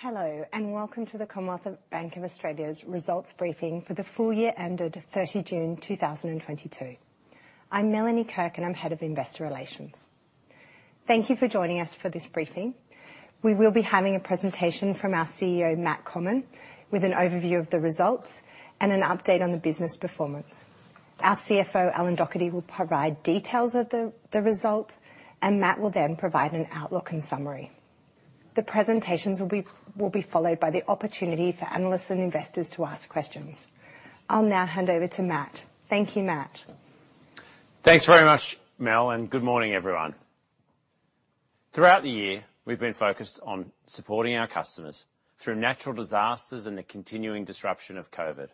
Hello, and welcome to the Commonwealth Bank of Australia's results briefing for the full year ended 30 June 2022. I'm Melanie Kirk, and I'm Head of Investor Relations. Thank you for joining us for this briefing. We will be having a presentation from our CEO, Matt Comyn, with an overview of the results and an update on the business performance. Our CFO, Alan Docherty, will provide details of the results, and Matt will then provide an outlook and summary. The presentations will be followed by the opportunity for analysts and investors to ask questions. I'll now hand over to Matt. Thank you, Matt. Thanks very much, Mel, and good morning, everyone. Throughout the year, we've been focused on supporting our customers through natural disasters and the continuing disruption of COVID.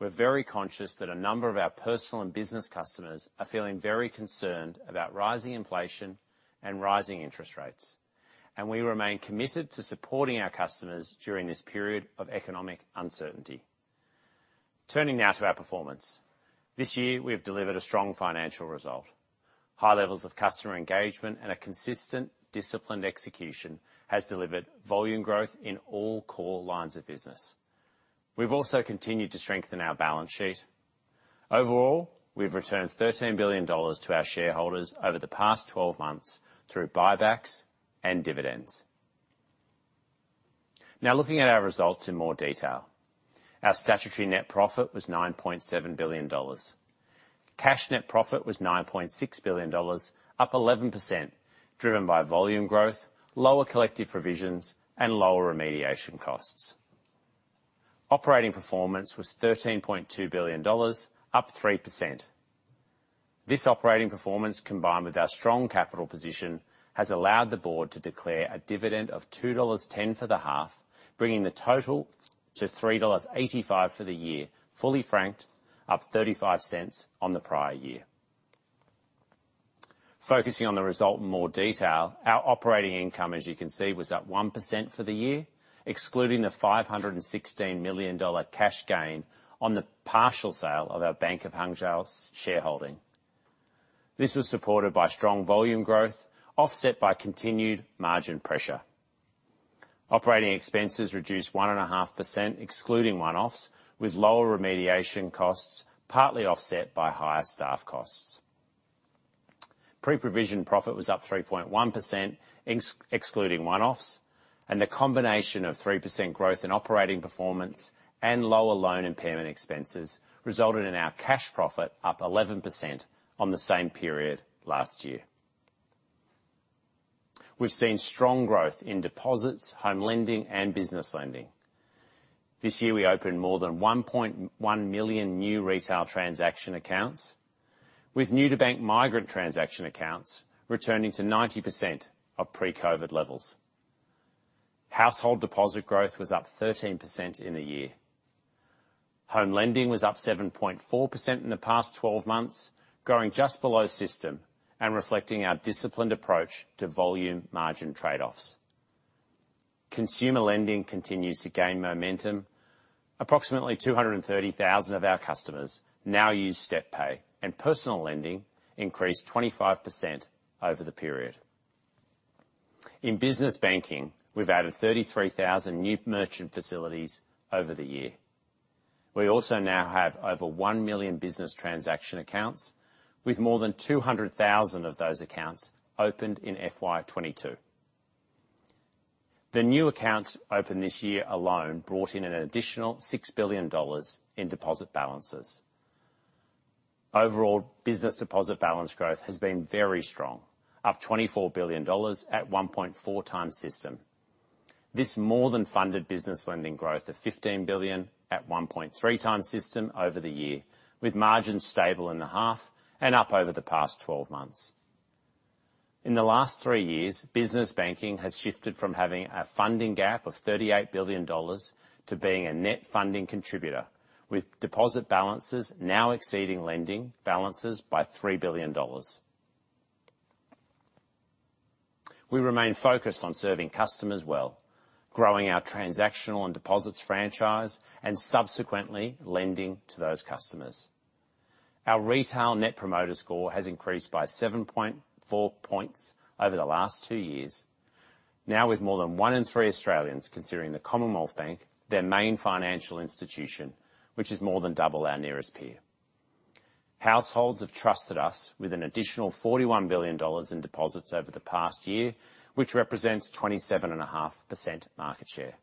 We're very conscious that a number of our personal and business customers are feeling very concerned about rising inflation and rising interest rates, and we remain committed to supporting our customers during this period of economic uncertainty. Turning now to our performance. This year, we have delivered a strong financial result. High levels of customer engagement and a consistent, disciplined execution has delivered volume growth in all core lines of business. We've also continued to strengthen our balance sheet. Overall, we've returned 13 billion dollars to our shareholders over the past 12 months through buybacks and dividends. Now looking at our results in more detail. Our statutory net profit was 9.7 billion dollars. Cash net profit was 9.6 billion dollars, up 11%, driven by volume growth, lower collective provisions, and lower remediation costs. Operating performance was AUD 13.2 billion, up 3%. This operating performance, combined with our strong capital position, has allowed the board to declare a dividend of 2.10 dollars for the half, bringing the total to 3.85 dollars for the year, fully franked, up 0.35 on the prior year. Focusing on the result in more detail, our operating income, as you can see, was up 1% for the year, excluding the 516 million dollar cash gain on the partial sale of our Bank of Hangzhou shareholding. This was supported by strong volume growth, offset by continued margin pressure. Operating expenses reduced 1.5%, excluding one-offs, with lower remediation costs, partly offset by higher staff costs. Pre-provision profit was up 3.1%, excluding one-offs, and the combination of 3% growth in operating performance and lower loan impairment expenses resulted in our cash profit up 11% on the same period last year. We've seen strong growth in deposits, home lending, and business lending. This year, we opened more than 1.1 million new retail transaction accounts, with new to bank migrant transaction accounts returning to 90% of pre-COVID levels. Household deposit growth was up 13% in the year. Home lending was up 7.4% in the past twelve months, growing just below system and reflecting our disciplined approach to volume margin trade-offs. Consumer lending continues to gain momentum. Approximately 230,000 of our customers now use StepPay, and personal lending increased 25% over the period. In business banking, we've added 33,000 new merchant facilities over the year. We also now have over one million business transaction accounts, with more than 200,000 of those accounts opened in FY 2022. The new accounts opened this year alone brought in an additional 6 billion dollars in deposit balances. Overall, business deposit balance growth has been very strong, up 24 billion dollars at 1.4 times system. This more than funded business lending growth of 15 billion at 1.3 times system over the year, with margins stable in the half and up over the past 12 months. In the last three years, business banking has shifted from having a funding gap of 38 billion dollars to being a net funding contributor, with deposit balances now exceeding lending balances by 3 billion dollars. We remain focused on serving customers well, growing our transactional and deposits franchise, and subsequently lending to those customers. Our retail net promoter score has increased by 7.4 points over the last two years. Now, with more than one in three Australians considering the Commonwealth Bank their main financial institution, which is more than double our nearest peer. Households have trusted us with an additional 41 billion dollars in deposits over the past year, which represents 27.5% market share.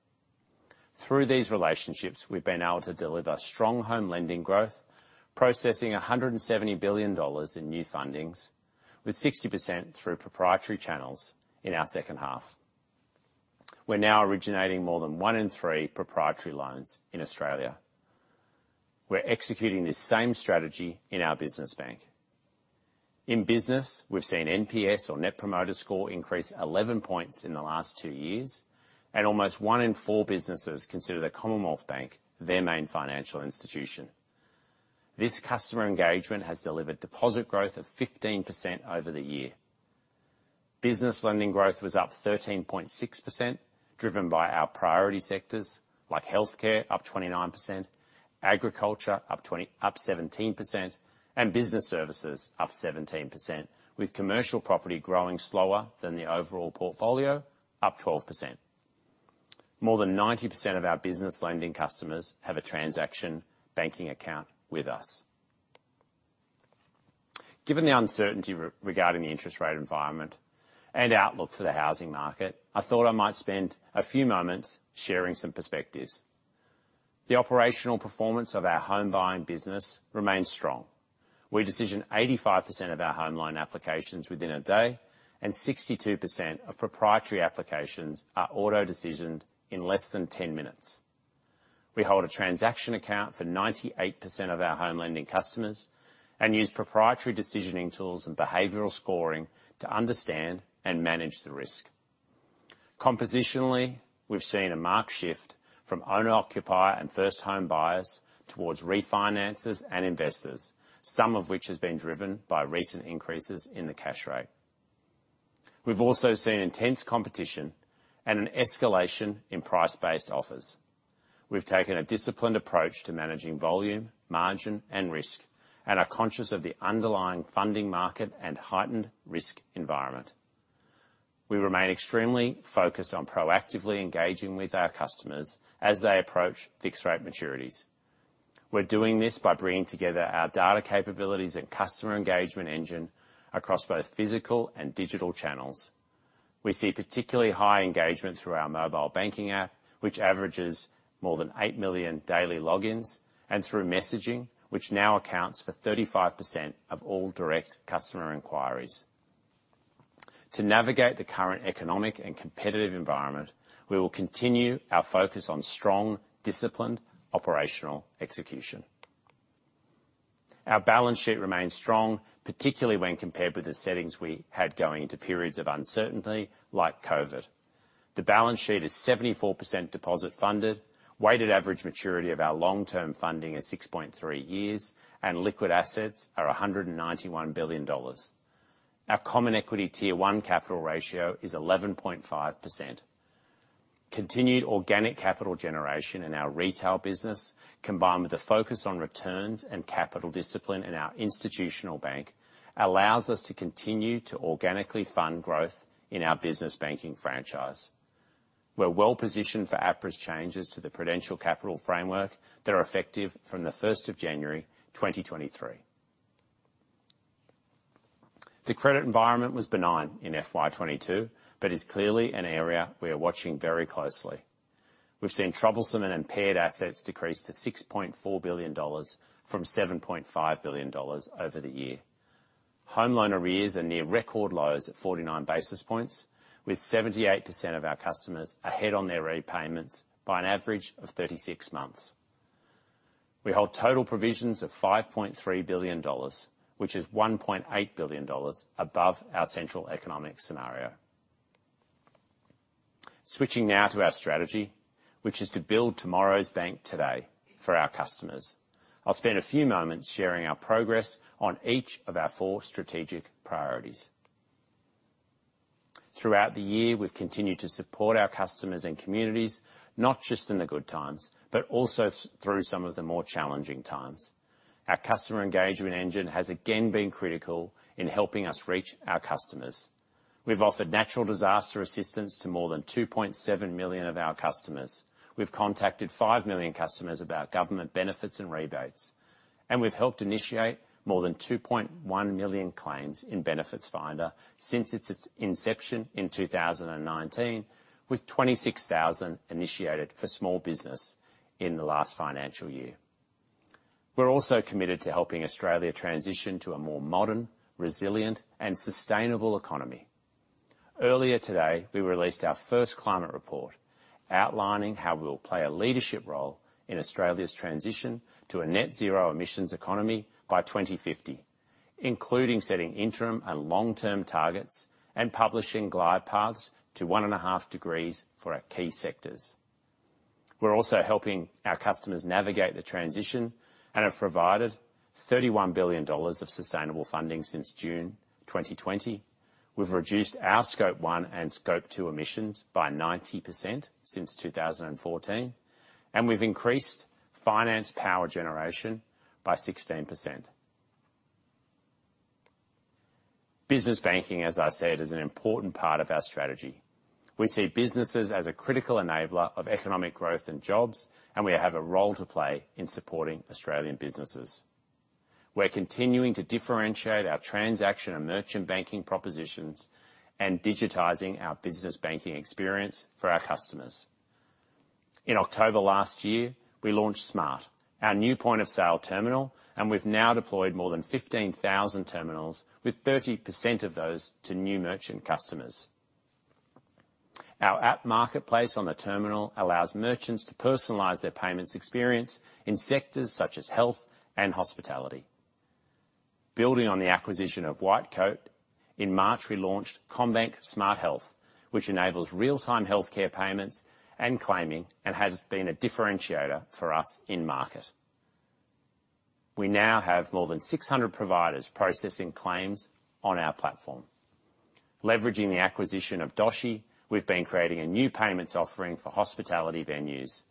Through these relationships, we've been able to deliver strong home lending growth, processing 170 billion dollars in new fundings, with 60% through proprietary channels in our second half. We're now originating more than one in three proprietary loans in Australia. We're executing the same strategy in our business bank. In business, we've seen NPS, or net promoter score, increase 11 points in the last two years, and almost one in four businesses consider the Commonwealth Bank their main financial institution. This customer engagement has delivered deposit growth of 15% over the year. Business lending growth was up 13.6%. Driven by our priority sectors, like healthcare, up 29%, agriculture, up 17%, and business services, up 17%. With commercial property growing slower than the overall portfolio, up 12%. More than 90% of our business lending customers have a transaction banking account with us. Given the uncertainty regarding the interest rate environment and outlook for the housing market, I thought I might spend a few moments sharing some perspectives. The operational performance of our home buying business remains strong. We decide on 85% of our home loan applications within a day, and 62% of proprietary applications are auto-decisioned in less than 10 minutes. We hold a transaction account for 98% of our home lending customers and use proprietary decisioning tools and behavioral scoring to understand and manage the risk. Compositionally, we've seen a marked shift from owner-occupier and first home buyers towards refinancers and investors, some of which has been driven by recent increases in the cash rate. We've also seen intense competition and an escalation in price-based offers. We've taken a disciplined approach to managing volume, margin, and risk, and are conscious of the underlying funding market and heightened risk environment. We remain extremely focused on proactively engaging with our customers as they approach fixed rate maturities. We're doing this by bringing together our data capabilities and customer engagement engine across both physical and digital channels. We see particularly high engagement through our mobile banking app, which averages more than eight million daily logins, and through messaging, which now accounts for 35% of all direct customer inquiries. To navigate the current economic and competitive environment, we will continue our focus on strong, disciplined operational execution. Our balance sheet remains strong, particularly when compared with the settings we had going into periods of uncertainty, like COVID. The balance sheet is 74% deposit funded, weighted average maturity of our long-term funding is 6.3 years, and liquid assets are 191 billion dollars. Our common equity tier one capital ratio is 11.5%. Continued organic capital generation in our retail business, combined with the focus on returns and capital discipline in our institutional bank, allows us to continue to organically fund growth in our business banking franchise. We're well-positioned for APRA's changes to the Prudential capital framework that are effective from the first of January, 2023. The credit environment was benign in FY 2022, but is clearly an area we are watching very closely. We've seen troubled and impaired assets decrease to 6.4 billion dollars from 7.5 billion dollars over the year. Home loan arrears are near record lows at 49 basis points, with 78% of our customers ahead on their repayments by an average of 36 months. We hold total provisions of AUD 5.3 billion, which is AUD 1.8 billion above our central economic scenario. Switching now to our strategy, which is to build tomorrow's bank today for our customers. I'll spend a few moments sharing our progress on each of our four strategic priorities. Throughout the year, we've continued to support our customers and communities, not just in the good times, but also through some of the more challenging times. Our customer engagement engine has again been critical in helping us reach our customers. We've offered natural disaster assistance to more than 2.7 million of our customers. We've contacted 5 million customers about government benefits and rebates. We've helped initiate more than 2.1 million claims in Benefits Finder since its inception in 2019, with 26,000 initiated for small business in the last financial year. We're also committed to helping Australia transition to a more modern, resilient, and sustainable economy. Earlier today, we released our first climate report outlining how we'll play a leadership role in Australia's transition to a net zero emissions economy by 2050, including setting interim and long-term targets and publishing glide paths to 1.5 degrees for our key sectors. We're also helping our customers navigate the transition and have provided 31 billion dollars of sustainable funding since June 2020. We've reduced our Scope 1 and Scope 2 emissions by 90% since 2014, and we've increased financed power generation by 16%. Business banking, as I said, is an important part of our strategy. We see businesses as a critical enabler of economic growth and jobs, and we have a role to play in supporting Australian businesses. We're continuing to differentiate our transaction and merchant banking propositions and digitizing our business banking experience for our customers. In October last year, we launched Smart, our new point-of-sale terminal, and we've now deployed more than 15,000 terminals, with 30% of those to new merchant customers. Our app marketplace on the terminal allows merchants to personalize their payments experience in sectors such as health and hospitality. Building on the acquisition of Whitecoat, in March, we launched CommBank Smart Health, which enables real-time healthcare payments and claiming, and has been a differentiator for us in market. We now have more than 600 providers processing claims on our platform. Leveraging the acquisition of Doshii, we've been creating a new payments offering for hospitality venues.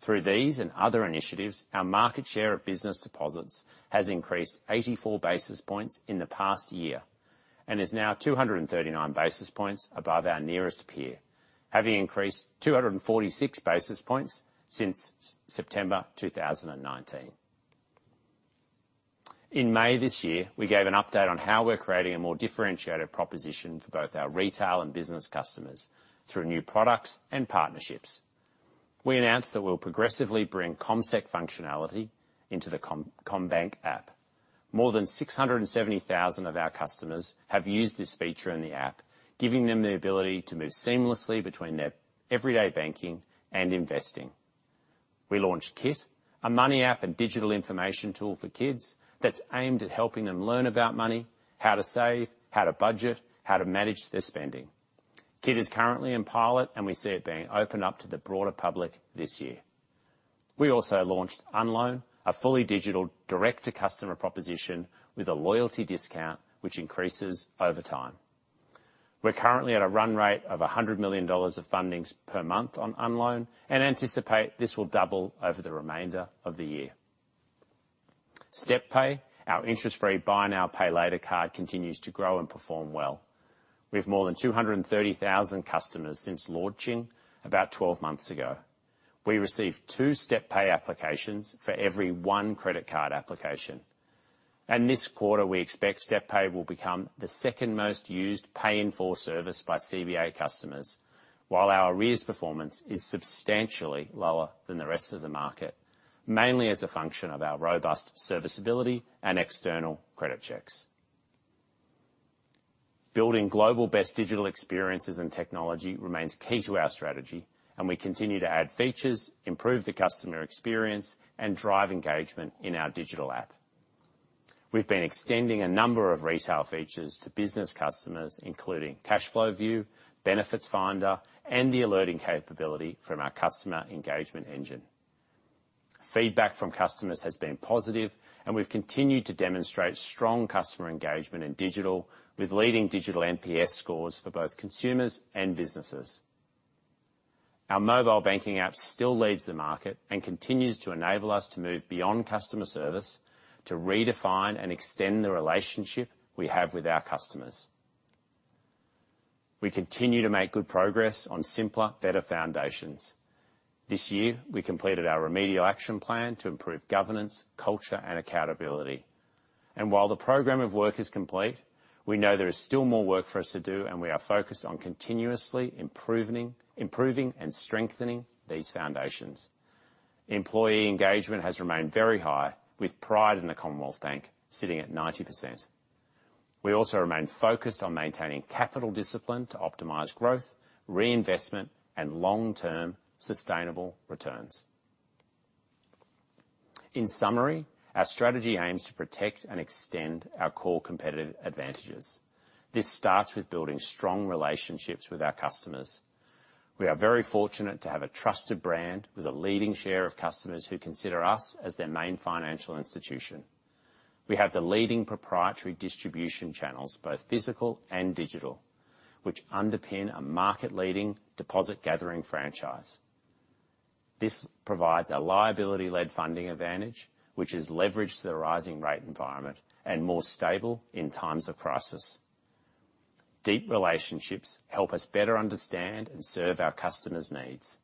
Through these and other initiatives, our market share of business deposits has increased 84 basis points in the past year, and is now 239 basis points above our nearest peer, having increased 246 basis points since September 2019. In May this year, we gave an update on how we're creating a more differentiated proposition for both our retail and business customers through new products and partnerships. We announced that we'll progressively bring CommSec functionality into the CommBank app. More than 670,000 of our customers have used this feature in the app, giving them the ability to move seamlessly between their everyday banking and investing. We launched Kit, a money app and digital information tool for kids that's aimed at helping them learn about money, how to save, how to budget, how to manage their spending. Kit is currently in pilot, and we see it being opened up to the broader public this year. We also launched Unloan, a fully digital direct-to-customer proposition with a loyalty discount, which increases over time. We're currently at a run rate of 100 million dollars of fundings per month on Unloan, and anticipate this will double over the remainder of the year. StepPay, our interest-free buy now, pay later card, continues to grow and perform well. We have more than 230,000 customers since launching about 12 months ago. We receive two StepPay applications for every one credit card application. This quarter, we expect StepPay will become the second most used Pay in Four service by CBA customers, while our arrears performance is substantially lower than the rest of the market. Mainly as a function of our robust serviceability and external credit checks. Building global best digital experiences and technology remains key to our strategy, and we continue to add features, improve the customer experience, and drive engagement in our digital app. We've been extending a number of retail features to business customers, including cash flow view, Benefits finder, and the alerting capability from our customer engagement engine. Feedback from customers has been positive, and we've continued to demonstrate strong customer engagement in digital, with leading digital NPS scores for both consumers and businesses. Our mobile banking app still leads the market and continues to enable us to move beyond customer service to redefine and extend the relationship we have with our customers. We continue to make good progress on simpler, better foundations. This year, we completed our remedial action plan to improve governance, culture, and accountability. While the program of work is complete, we know there is still more work for us to do, and we are focused on continuously improving and strengthening these foundations. Employee engagement has remained very high, with pride in the Commonwealth Bank sitting at 90%. We also remain focused on maintaining capital discipline to optimize growth, reinvestment, and long-term sustainable returns. In summary, our strategy aims to protect and extend our core competitive advantages. This starts with building strong relationships with our customers. We are very fortunate to have a trusted brand with a leading share of customers who consider us as their main financial institution. We have the leading proprietary distribution channels, both physical and digital, which underpin a market-leading deposit gathering franchise. This provides a liability-led funding advantage, which is leveraged to the rising rate environment and more stable in times of crisis. Deep relationships help us better understand and serve our customers' needs.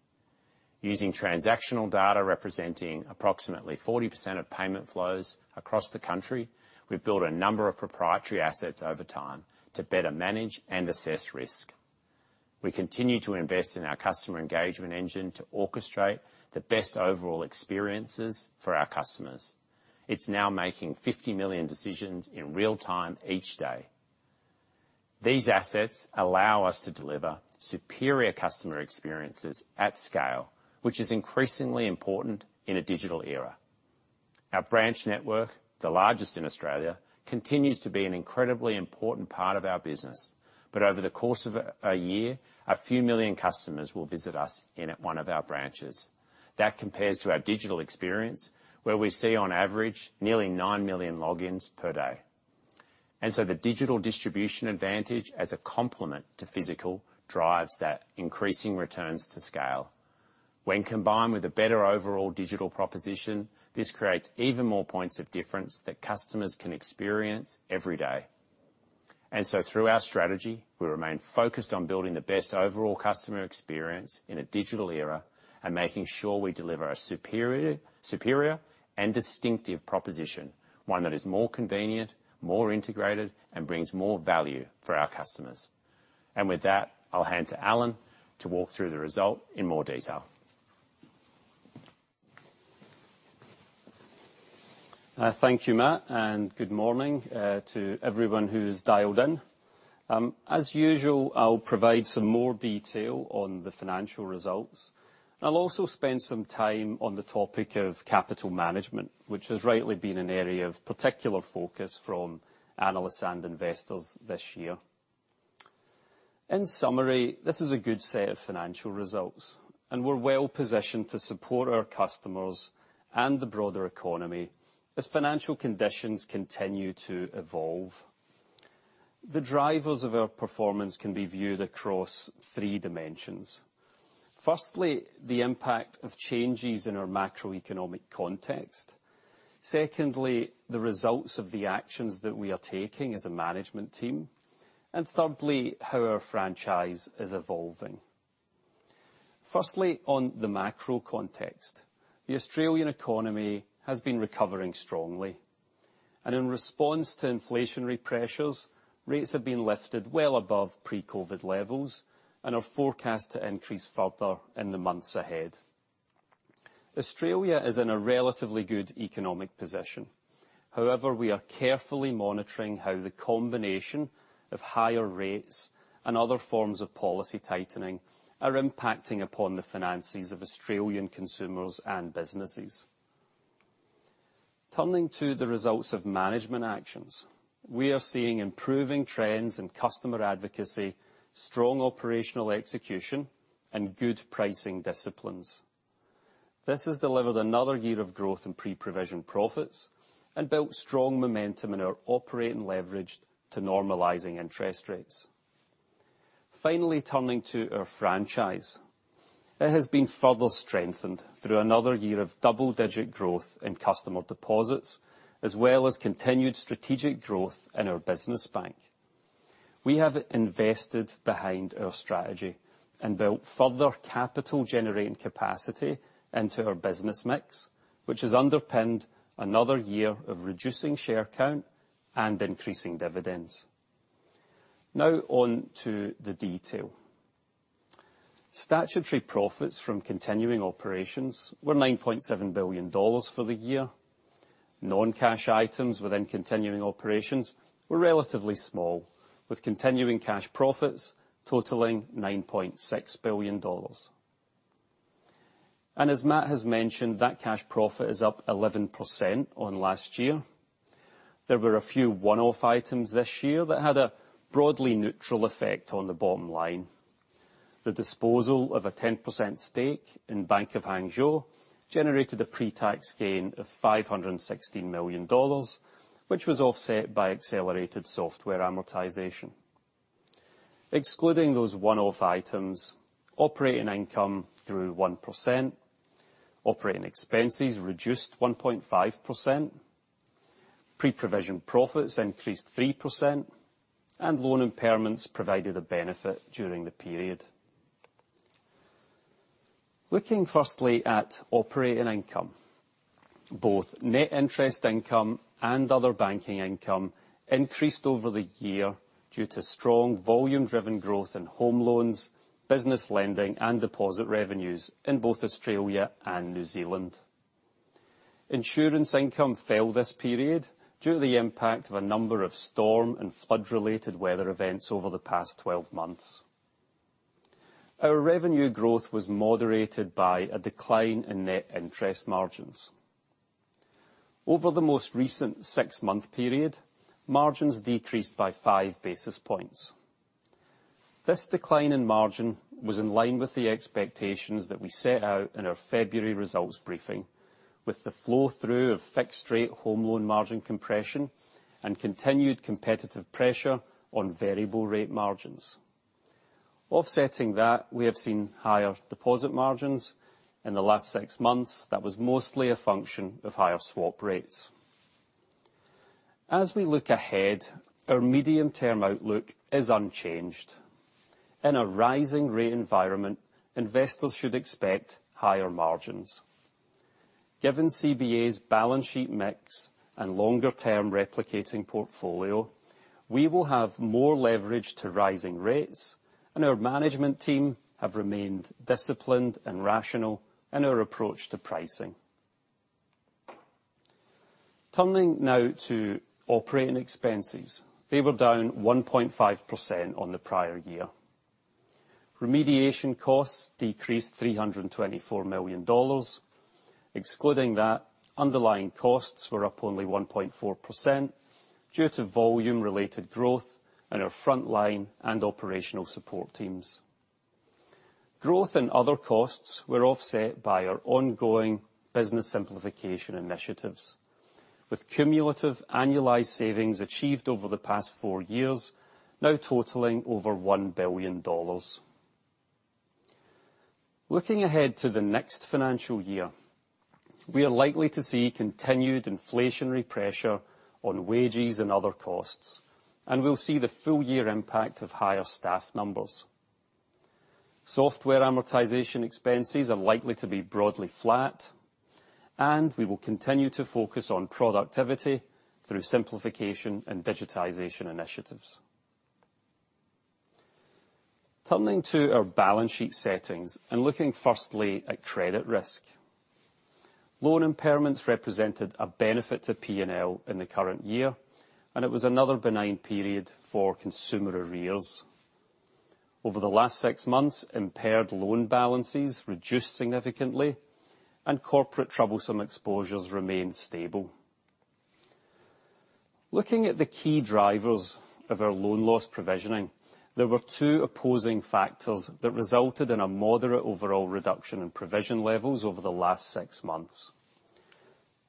Using transactional data representing approximately 40% of payment flows across the country, we've built a number of proprietary assets over time to better manage and assess risk. We continue to invest in our customer engagement engine to orchestrate the best overall experiences for our customers. It's now making 50 million decisions in real time each day. These assets allow us to deliver superior customer experiences at scale, which is increasingly important in a digital era. Our branch network, the largest in Australia, continues to be an incredibly important part of our business. Over the course of a year, a few million customers will visit us in one of our branches. That compares to our digital experience, where we see on average nearly 9 million logins per day. The digital distribution advantage as a complement to physical, drives that increasing returns to scale. When combined with a better overall digital proposition, this creates even more points of difference that customers can experience every day. Through our strategy, we remain focused on building the best overall customer experience in a digital era and making sure we deliver a superior and distinctive proposition. One that is more convenient, more integrated, and brings more value for our customers. With that, I'll hand to Alan to walk through the result in more detail. Thank you, Matt, and good morning to everyone who's dialed in. As usual, I'll provide some more detail on the financial results. I'll also spend some time on the topic of capital management, which has rightly been an area of particular focus from analysts and investors this year. In summary, this is a good set of financial results, and we're well positioned to support our customers and the broader economy as financial conditions continue to evolve. The drivers of our performance can be viewed across three dimensions. Firstly, the impact of changes in our macroeconomic context. Secondly, the results of the actions that we are taking as a management team. Thirdly, how our franchise is evolving. Firstly, on the macro context, the Australian economy has been recovering strongly. In response to inflationary pressures, rates have been lifted well above pre-COVID levels and are forecast to increase further in the months ahead. Australia is in a relatively good economic position. However, we are carefully monitoring how the combination of higher rates and other forms of policy tightening are impacting upon the finances of Australian consumers and businesses. Turning to the results of management actions, we are seeing improving trends in customer advocacy, strong operational execution, and good pricing disciplines. This has delivered another year of growth in pre-provision profits and built strong momentum in our operating leverage to normalizing interest rates. Finally, turning to our franchise. It has been further strengthened through another year of double-digit growth in customer deposits, as well as continued strategic growth in our business bank. We have invested behind our strategy and built further capital-generating capacity into our business mix, which has underpinned another year of reducing share count and increasing dividends. Now on to the detail. Statutory profits from continuing operations were 9.7 billion dollars for the year. Non-cash items within continuing operations were relatively small, with continuing cash profits totaling 9.6 billion dollars. As Matt has mentioned, that cash profit is up 11% on last year. There were a few one-off items this year that had a broadly neutral effect on the bottom line. The disposal of a 10% stake in Bank of Hangzhou generated a pre-tax gain of 516 million dollars, which was offset by accelerated software amortization. Excluding those one-off items, operating income grew 1%, operating expenses reduced 1.5%, pre-provision profits increased 3%, and loan impairments provided a benefit during the period. Looking firstly at operating income. Both net interest income and other banking income increased over the year due to strong volume-driven growth in home loans, business lending, and deposit revenues in both Australia and New Zealand. Insurance income fell this period due to the impact of a number of storm and flood-related weather events over the past 12 months. Our revenue growth was moderated by a decline in net interest margins. Over the most recent six-month period, margins decreased by five basis points. This decline in margin was in line with the expectations that we set out in our February results briefing, with the flow-through of fixed rate home loan margin compression and continued competitive pressure on variable rate margins. Offsetting that, we have seen higher deposit margins. In the last 6 months, that was mostly a function of higher swap rates. As we look ahead, our medium-term outlook is unchanged. In a rising rate environment, investors should expect higher margins. Given CBA's balance sheet mix and longer-term replicating portfolio, we will have more leverage to rising rates, and our management team have remained disciplined and rational in our approach to pricing. Turning now to operating expenses. They were down 1.5% on the prior year. Remediation costs decreased 324 million dollars. Excluding that, underlying costs were up only 1.4% due to volume-related growth in our front-line and operational support teams. Growth in other costs were offset by our ongoing business simplification initiatives, with cumulative annualized savings achieved over the past 4 years now totaling over 1 billion dollars. Looking ahead to the next financial year, we are likely to see continued inflationary pressure on wages and other costs, and we'll see the full year impact of higher staff numbers. Software amortization expenses are likely to be broadly flat, and we will continue to focus on productivity through simplification and digitization initiatives. Turning to our balance sheet settings and looking firstly at credit risk. Loan impairments represented a benefit to P&L in the current year, and it was another benign period for consumer arrears. Over the last six months, impaired loan balances reduced significantly, and corporate troubled exposures remained stable. Looking at the key drivers of our loan loss provisioning, there were two opposing factors that resulted in a moderate overall reduction in provision levels over the last six months.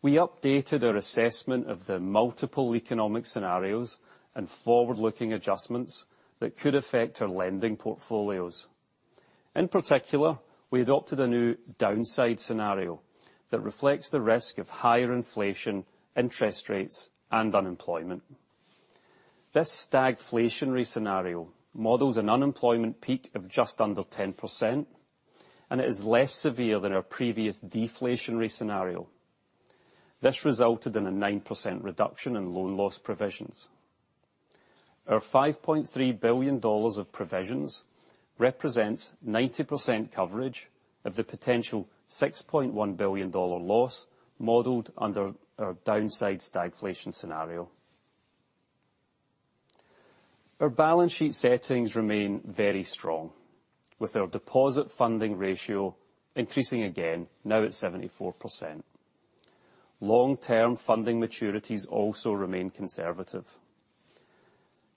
We updated our assessment of the multiple economic scenarios and forward-looking adjustments that could affect our lending portfolios. In particular, we adopted a new downside scenario that reflects the risk of higher inflation, interest rates, and unemployment. This stagflationary scenario models an unemployment peak of just under 10%, and it is less severe than our previous deflationary scenario. This resulted in a 9% reduction in loan loss provisions. Our 5.3 billion dollars of provisions represents 90% coverage of the potential 6.1 billion dollar loss modeled under our downside stagflation scenario. Our balance sheet settings remain very strong, with our deposit funding ratio increasing again, now at 74%. Long-term funding maturities also remain conservative.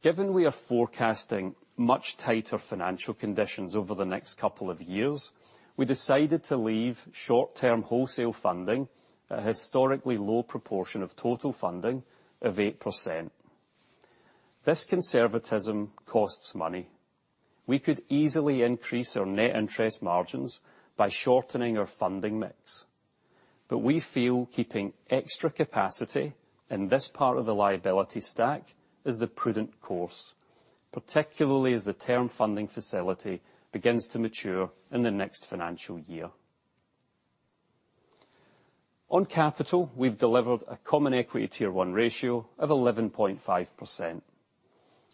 Given we are forecasting much tighter financial conditions over the next couple of years, we decided to leave short-term wholesale funding at a historically low proportion of total funding of 8%. This conservatism costs money. We could easily increase our net interest margins by shortening our funding mix, but we feel keeping extra capacity in this part of the liability stack is the prudent course, particularly as the Term Funding Facility begins to mature in the next financial year. On capital, we've delivered a common equity tier one ratio of 11.5%.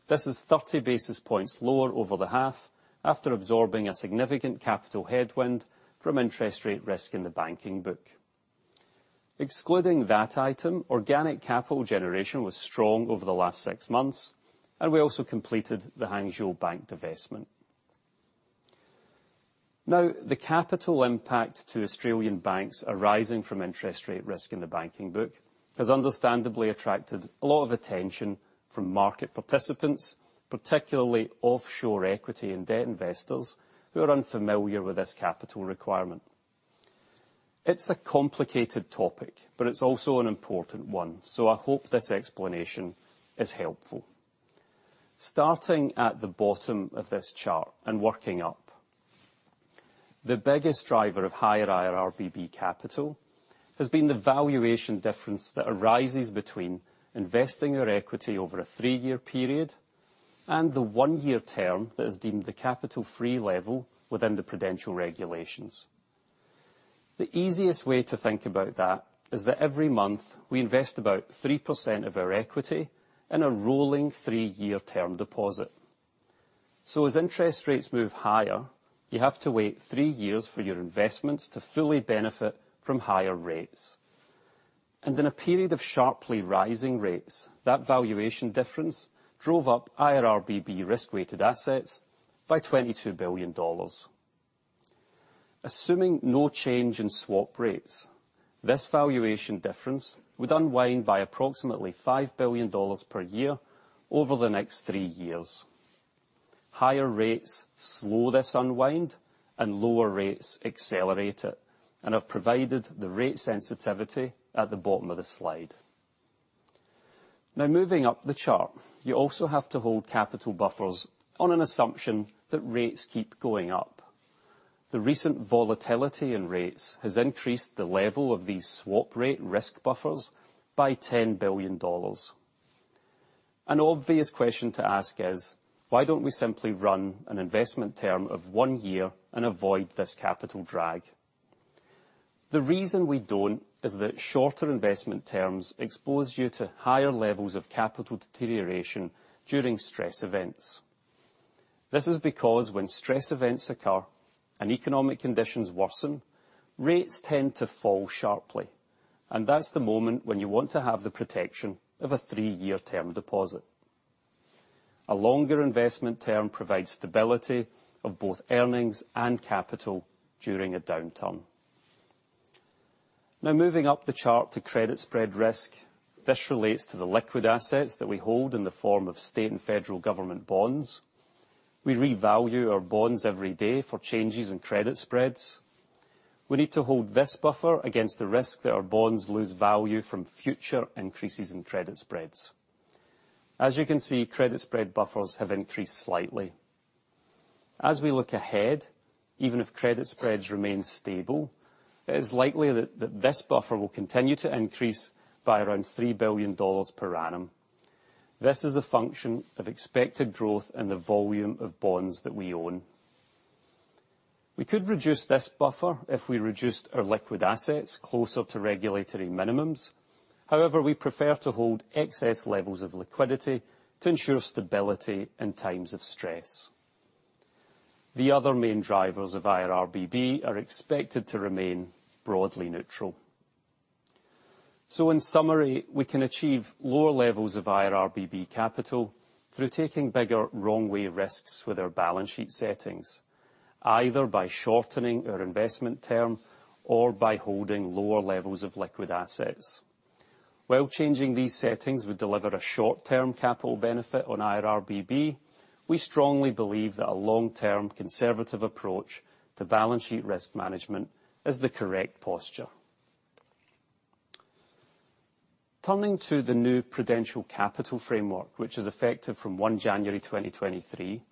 This is 30 basis points lower over the half after absorbing a significant capital headwind from Interest Rate Risk in the Banking Book. Excluding that item, organic capital generation was strong over the last six months, and we also completed the Bank of Hangzhou divestment. Now, the capital impact to Australian banks arising from Interest Rate Risk in the Banking Book has understandably attracted a lot of attention from market participants, particularly offshore equity and debt investors who are unfamiliar with this capital requirement. It's a complicated topic, but it's also an important one, so I hope this explanation is helpful. Starting at the bottom of this chart and working up, the biggest driver of higher IRRBB capital has been the valuation difference that arises between investing our equity over a three-year period and the one-year term that is deemed the capital free level within the Prudential Regulations. The easiest way to think about that is that every month we invest about 3% of our equity in a rolling three-year term deposit. So as interest rates move higher, you have to wait three years for your investments to fully benefit from higher rates. In a period of sharply rising rates, that valuation difference drove up IRRBB risk-weighted assets by 22 billion dollars. Assuming no change in swap rates, this valuation difference would unwind by approximately 5 billion dollars per year over the next three years. Higher rates slow this unwind, and lower rates accelerate it, and I've provided the rate sensitivity at the bottom of the slide. Now, moving up the chart, you also have to hold capital buffers on an assumption that rates keep going up. The recent volatility in rates has increased the level of these swap rate risk buffers by 10 billion dollars. An obvious question to ask is, why don't we simply run an investment term of one year and avoid this capital drag? The reason we don't is that shorter investment terms expose you to higher levels of capital deterioration during stress events. This is because when stress events occur and economic conditions worsen, rates tend to fall sharply, and that's the moment when you want to have the protection of a three-year term deposit. A longer investment term provides stability of both earnings and capital during a downturn. Now, moving up the chart to credit spread risk. This relates to the liquid assets that we hold in the form of state and federal government bonds. We revalue our bonds every day for changes in credit spreads. We need to hold this buffer against the risk that our bonds lose value from future increases in credit spreads. As you can see, credit spread buffers have increased slightly. As we look ahead, even if credit spreads remain stable, it is likely that this buffer will continue to increase by around 3 billion dollars per annum. This is a function of expected growth in the volume of bonds that we own. We could reduce this buffer if we reduced our liquid assets closer to regulatory minimums. However, we prefer to hold excess levels of liquidity to ensure stability in times of stress. The other main drivers of IRRBB are expected to remain broadly neutral. In summary, we can achieve lower levels of IRRBB capital through taking bigger wrong-way risks with our balance sheet settings. Either by shortening our investment term or by holding lower levels of liquid assets. While changing these settings would deliver a short-term capital benefit on IRRBB, we strongly believe that a long-term conservative approach to balance sheet risk management is the correct posture. Turning to the new Prudential capital framework, which is effective from 1 January 2023,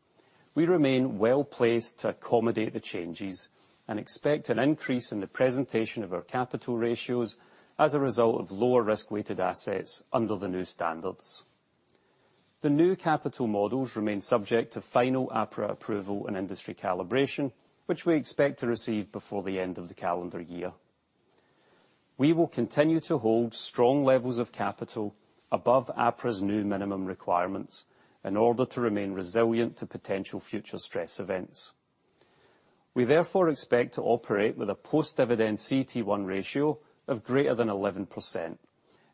we remain well-placed to accommodate the changes and expect an increase in the presentation of our capital ratios as a result of lower risk-weighted assets under the new standards. The new capital models remain subject to final APRA approval and industry calibration, which we expect to receive before the end of the calendar year. We will continue to hold strong levels of capital above APRA's new minimum requirements in order to remain resilient to potential future stress events. We therefore expect to operate with a post-dividend CET1 ratio of greater than 11%,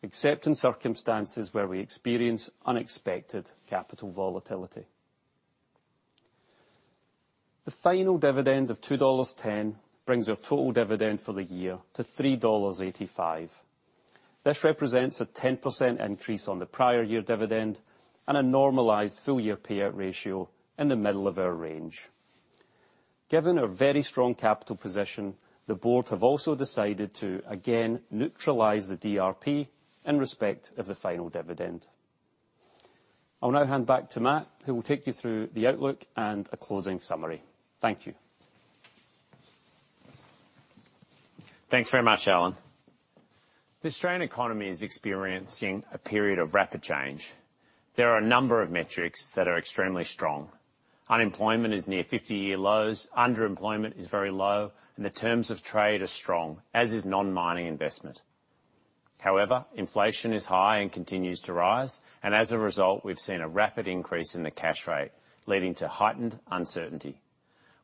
except in circumstances where we experience unexpected capital volatility. The final dividend of 2.10 dollars brings our total dividend for the year to 3.85 dollars. This represents a 10% increase on the prior year dividend and a normalized full-year payout ratio in the middle of our range. Given our very strong capital position, the board have also decided to, again, neutralize the DRP in respect of the final dividend. I'll now hand back to Matt, who will take you through the outlook and a closing summary. Thank you. Thanks very much, Alan. The Australian economy is experiencing a period of rapid change. There are a number of metrics that are extremely strong. Unemployment is near 50-year lows, underemployment is very low, and the terms of trade are strong, as is non-mining investment. However, inflation is high and continues to rise, and as a result, we've seen a rapid increase in the cash rate, leading to heightened uncertainty.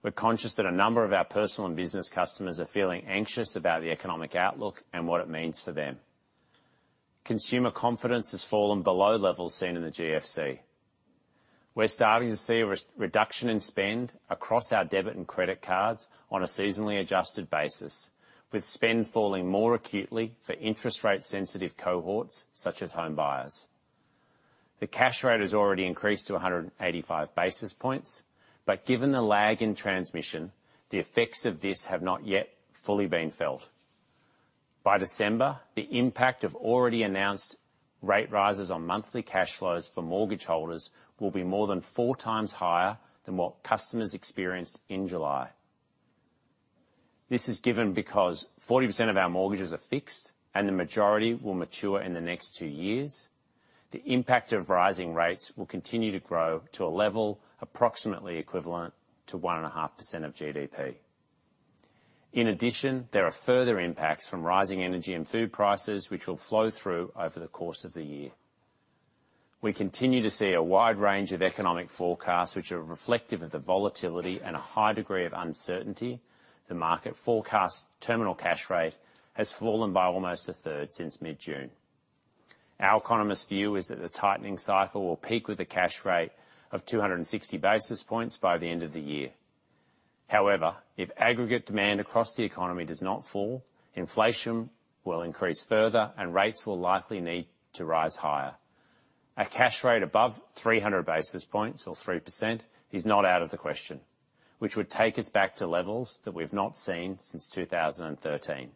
We're conscious that a number of our personal and business customers are feeling anxious about the economic outlook and what it means for them. Consumer confidence has fallen below levels seen in the GFC. We're starting to see a reduction in spend across our debit and credit cards on a seasonally adjusted basis, with spend falling more acutely for interest rate sensitive cohorts such as home buyers. The cash rate has already increased to 185 basis points, but given the lag in transmission, the effects of this have not yet fully been felt. By December, the impact of already announced rate rises on monthly cash flows for mortgage holders will be more than four times higher than what customers experienced in July. This is given because 40% of our mortgages are fixed, and the majority will mature in the next two years. The impact of rising rates will continue to grow to a level approximately equivalent to 1.5% of GDP. In addition, there are further impacts from rising energy and food prices, which will flow through over the course of the year. We continue to see a wide range of economic forecasts, which are reflective of the volatility and a high degree of uncertainty. The market forecast terminal cash rate has fallen by almost a third since mid-June. Our economists view is that the tightening cycle will peak with a cash rate of 260 basis points by the end of the year. However, if aggregate demand across the economy does not fall, inflation will increase further, and rates will likely need to rise higher. A cash rate above 300 basis points or 3% is not out of the question, which would take us back to levels that we've not seen since 2013.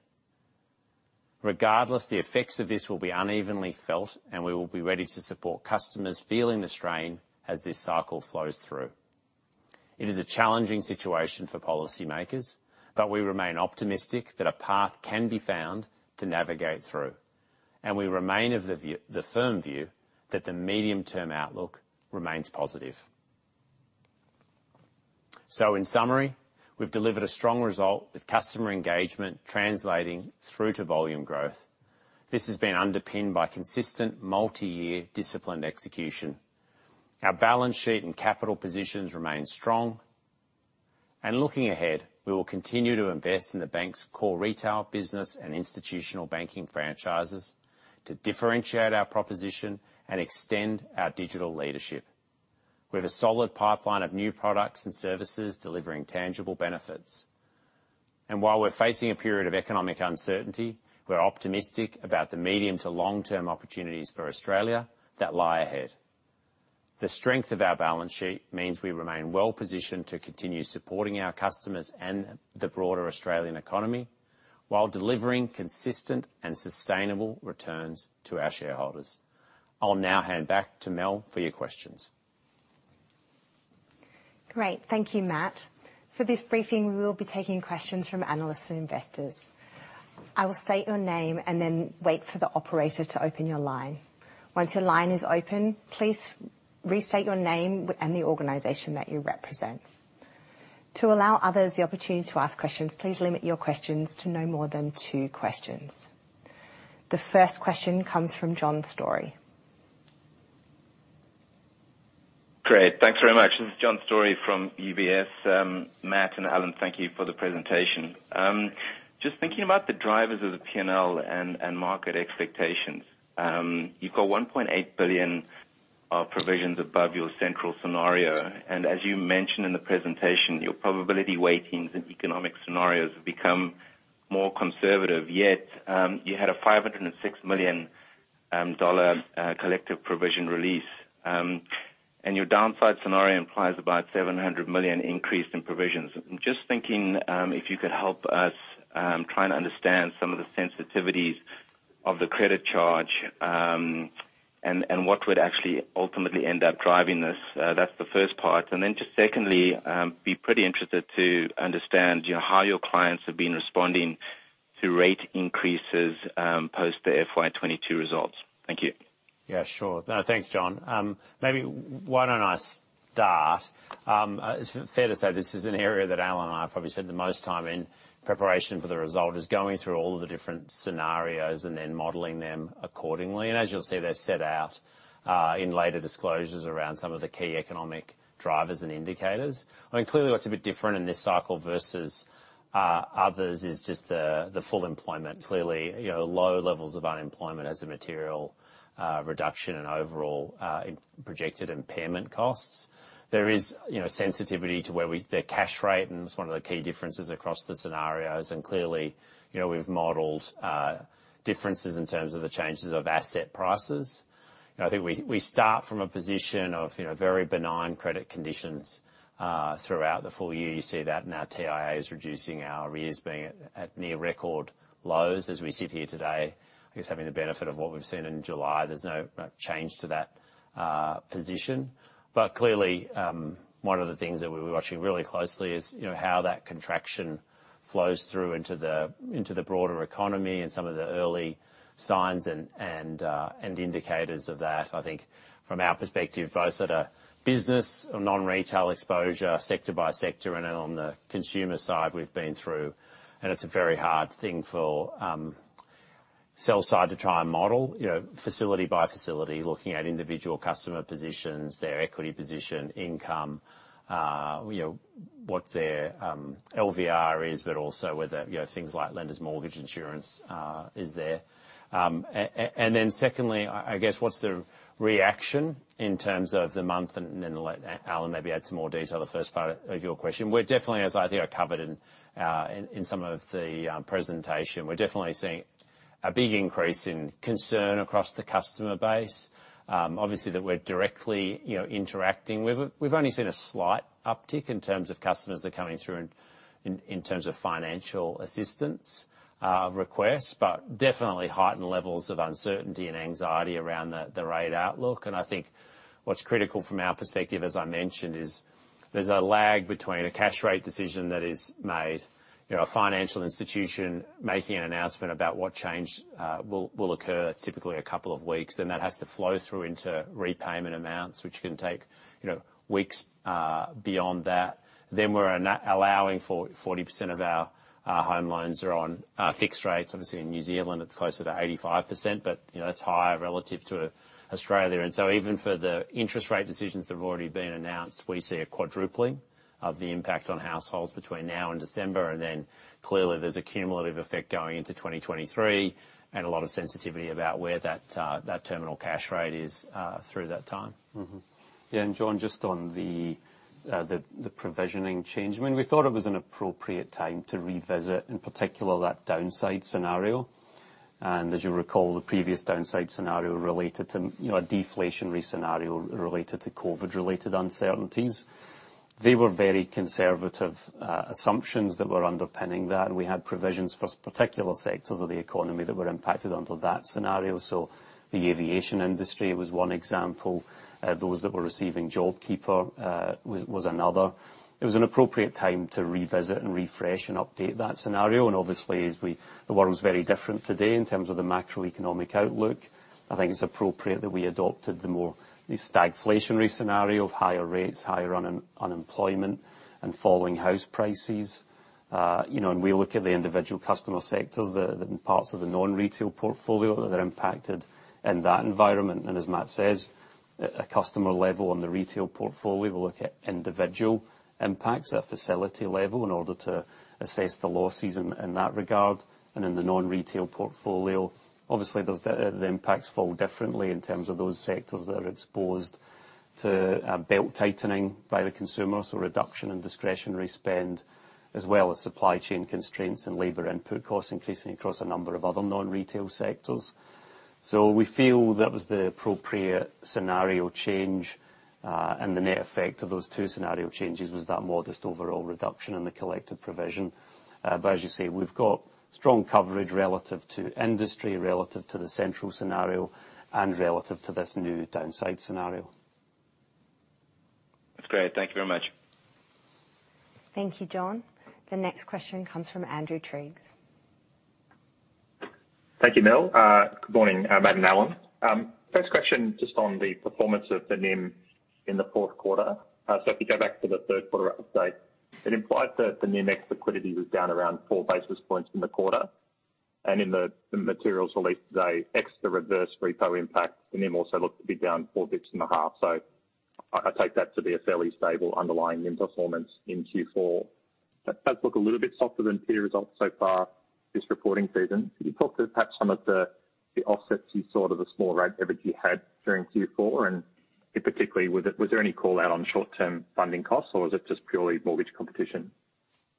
Regardless, the effects of this will be unevenly felt, and we will be ready to support customers feeling the strain as this cycle flows through. It is a challenging situation for policymakers, but we remain optimistic that a path can be found to navigate through. We remain of the view, the firm view that the medium-term outlook remains positive. In summary, we've delivered a strong result with customer engagement translating through to volume growth. This has been underpinned by consistent multi-year disciplined execution. Our balance sheet and capital positions remain strong. Looking ahead, we will continue to invest in the bank's core retail business and institutional banking franchises to differentiate our proposition and extend our digital leadership. We have a solid pipeline of new products and services delivering tangible benefits. While we're facing a period of economic uncertainty, we're optimistic about the medium to long-term opportunities for Australia that lie ahead. The strength of our balance sheet means we remain well-positioned to continue supporting our customers and the broader Australian economy while delivering consistent and sustainable returns to our shareholders. I'll now hand back to Mel for your questions. Great. Thank you, Matt. For this briefing, we will be taking questions from analysts and investors. I will state your name and then wait for the operator to open your line. Once your line is open, please restate your name and the organization that you represent. To allow others the opportunity to ask questions, please limit your questions to no more than two questions. The first question comes from John Storey. Great. Thanks very much. This is John Storey from UBS. Matt and Alan, thank you for the presentation. Just thinking about the drivers of the P&L and market expectations. You've got 1.8 billion of provisions above your central scenario. As you mentioned in the presentation, your probability weightings and economic scenarios have become more conservative, yet you had a 506 million dollar collective provision release. Your downside scenario implies about 700 million increase in provisions. I'm just thinking if you could help us try and understand some of the sensitivities of the credit charge, and what would actually ultimately end up driving this. That's the first part. Just secondly, be pretty interested to understand, you know, how your clients have been responding to rate increases post the FY 2022 results. Thank you. Yeah, sure. No, thanks, John. Maybe why don't I start? It's fair to say this is an area that Alan and I have probably spent the most time in preparation for the result, is going through all of the different scenarios and then modeling them accordingly. As you'll see, they're set out in later disclosures around some of the key economic drivers and indicators. I mean, clearly what's a bit different in this cycle versus others is just the full employment. Clearly, you know, low levels of unemployment as a material reduction in overall projected impairment costs. There is, you know, sensitivity to the cash rate, and it's one of the key differences across the scenarios. Clearly, you know, we've modeled differences in terms of the changes of asset prices. You know, I think we start from a position of, you know, very benign credit conditions throughout the full year. You see that in our TIAs reducing, our arrears being at near record lows as we sit here today. I guess having the benefit of what we've seen in July, there's no change to that position. Clearly, one of the things that we'll be watching really closely is, you know, how that contraction flows through into the broader economy and some of the early signs and indicators of that. I think from our perspective, both at a business or non-retail exposure, sector by sector, and then on the consumer side, we've been through. It's a very hard thing for sell side to try and model, you know, facility by facility, looking at individual customer positions, their equity position, income, you know, what their LVR is, but also whether, you know, things like lenders mortgage insurance is there. Then secondly, I guess, what's the reaction in terms of the market. Then I'll let Alan maybe add some more detail the first part of your question. We're definitely, as I think I covered in some of the presentation, we're definitely seeing a big increase in concern across the customer base, obviously that we're directly, you know, interacting with. We've only seen a slight uptick in terms of customers that are coming through in terms of financial assistance requests, but definitely heightened levels of uncertainty and anxiety around the rate outlook. I think what's critical from our perspective, as I mentioned, is there's a lag between a cash rate decision that is made. A financial institution making an announcement about what change will occur, typically a couple of weeks, then that has to flow through into repayment amounts, which can take weeks beyond that. We're not allowing for 40% of our home loans are on fixed rates. Obviously, in New Zealand, it's closer to 85%, but that's higher relative to Australia. Even for the interest rate decisions that have already been announced, we see a quadrupling of the impact on households between now and December. Clearly there's a cumulative effect going into 2023 and a lot of sensitivity about where that terminal cash rate is through that time. Yeah, John, just on the provisioning change. I mean, we thought it was an appropriate time to revisit, in particular, that downside scenario. As you recall, the previous downside scenario related to, you know, a deflationary scenario related to COVID-related uncertainties. They were very conservative assumptions that were underpinning that. We had provisions for particular sectors of the economy that were impacted under that scenario. The aviation industry was one example. Those that were receiving JobKeeper was another. It was an appropriate time to revisit and refresh and update that scenario. Obviously, the world is very different today in terms of the macroeconomic outlook. I think it's appropriate that we adopted the more stagflationary scenario of higher rates, higher unemployment and falling house prices. You know, we look at the individual customer sectors, the parts of the non-retail portfolio that are impacted in that environment. As Matt says, at customer level on the retail portfolio, we'll look at individual impacts at facility level in order to assess the losses in that regard. In the non-retail portfolio, obviously, those data, the impacts fall differently in terms of those sectors that are exposed to a belt-tightening by the consumer, so reduction in discretionary spend, as well as supply chain constraints and labor input costs increasing across a number of other non-retail sectors. We feel that was the appropriate scenario change, and the net effect of those two scenario changes was that modest overall reduction in the collective provision. As you say, we've got strong coverage relative to industry, relative to the central scenario and relative to this new downside scenario. That's great. Thank you very much. Thank you, John. The next question comes from Andrew Triggs. Thank you, Mel. Good morning, Matt and Alan. First question, just on the performance of the NIM in the fourth quarter. If you go back to the third quarter update, it implied that the NIM ex liquidity was down around four basis points in the quarter. In the materials released today, ex the reverse repo impact, the NIM also looked to be down four basis points and a half. I take that to be a fairly stable underlying performance in Q4. That does look a little bit softer than peer results so far this reporting season. Can you talk to perhaps some of the offsets you saw to the small rate that you had during Q4, and in particular, was there any call out on short-term funding costs, or was it just purely mortgage competition?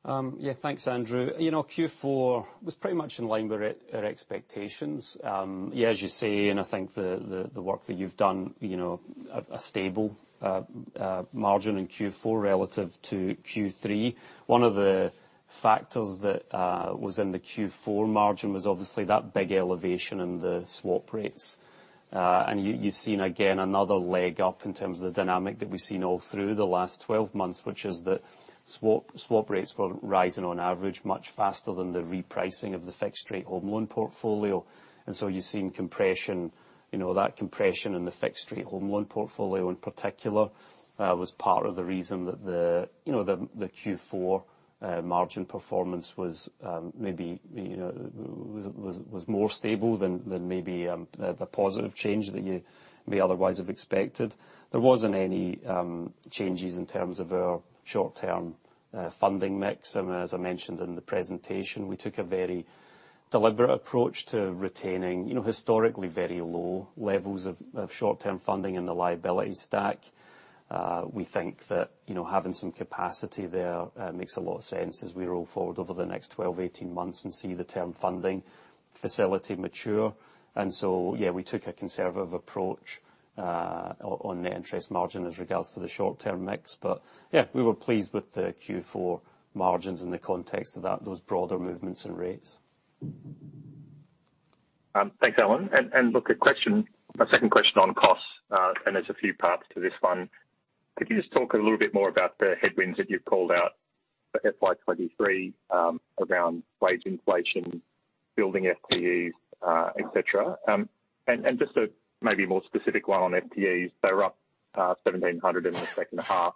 Yeah. Thanks, Andrew. You know, Q4 was pretty much in line with our expectations. Yeah, as you say, and I think the work that you've done, you know, a stable margin in Q4 relative to Q3. One of the factors that was in the Q4 margin was obviously that big elevation in the swap rates. You've seen again another leg up in terms of the dynamic that we've seen all through the last 12 months, which is that swap rates were rising on average much faster than the repricing of the fixed rate home loan portfolio. You've seen compression. You know, that compression in the fixed rate home loan portfolio in particular was part of the reason that the Q4 margin performance was maybe more stable than maybe the positive change that you may otherwise have expected. There wasn't any changes in terms of our short-term funding mix. As I mentioned in the presentation, we took a very deliberate approach to retaining you know, historically very low levels of short-term funding in the liability stack. We think that you know, having some capacity there makes a lot of sense as we roll forward over the next 12-18 months and see the Term Funding Facility mature. Yeah, we took a conservative approach on net interest margin as regards to the short-term mix. Yeah, we were pleased with the Q4 margins in the context of that, those broader movements and rates. Thanks, Alan. Look, a question, a second question on costs, and there's a few parts to this one. Could you just talk a little bit more about the headwinds that you've called out for FY 2023, around wage inflation, building FTEs, et cetera? Just a maybe more specific one on FTEs. They're up 1,700 in the second half.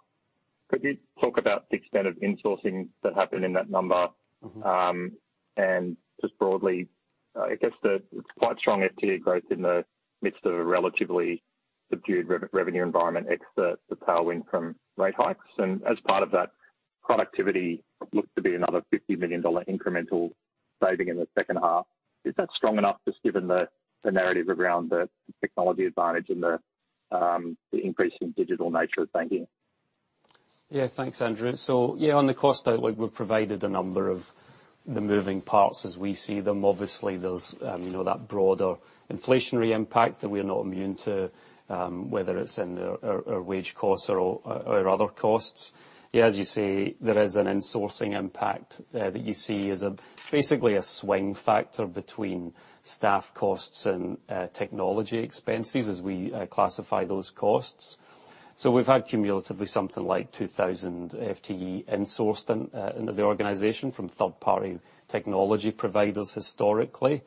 Could you talk about the extent of insourcing that happened in that number? Mm-hmm. Just broadly, I guess the quite strong FTE growth in the midst of a relatively subdued revenue environment except the tailwind from rate hikes. As part of that, productivity looks to be another 50 million dollar incremental saving in the second half. Is that strong enough, just given the narrative around the technology advantage and the increasing digital nature of banking? Yeah. Thanks, Andrew. Yeah, on the cost outlook, we've provided a number of the moving parts as we see them. Obviously, there's you know, that broader inflationary impact that we're not immune to, whether it's in our wage costs or our other costs. Yeah, as you say, there is an insourcing impact that you see as basically a swing factor between staff costs and technology expenses as we classify those costs. We've had cumulatively something like 2,000 FTE insourced into the organization from third-party technology providers historically.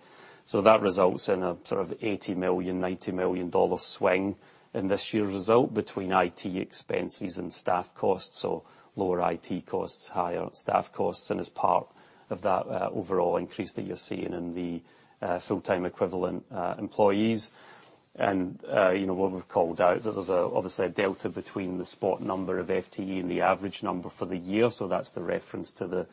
That results in a sort of 80 million-90 million dollar swing in this year's result between IT expenses and staff costs. Lower IT costs, higher staff costs, and as part of that overall increase that you're seeing in the full-time equivalent employees. You know, what we've called out, that there's obviously a delta between the spot number of FTE and the average number for the year. That's the reference to the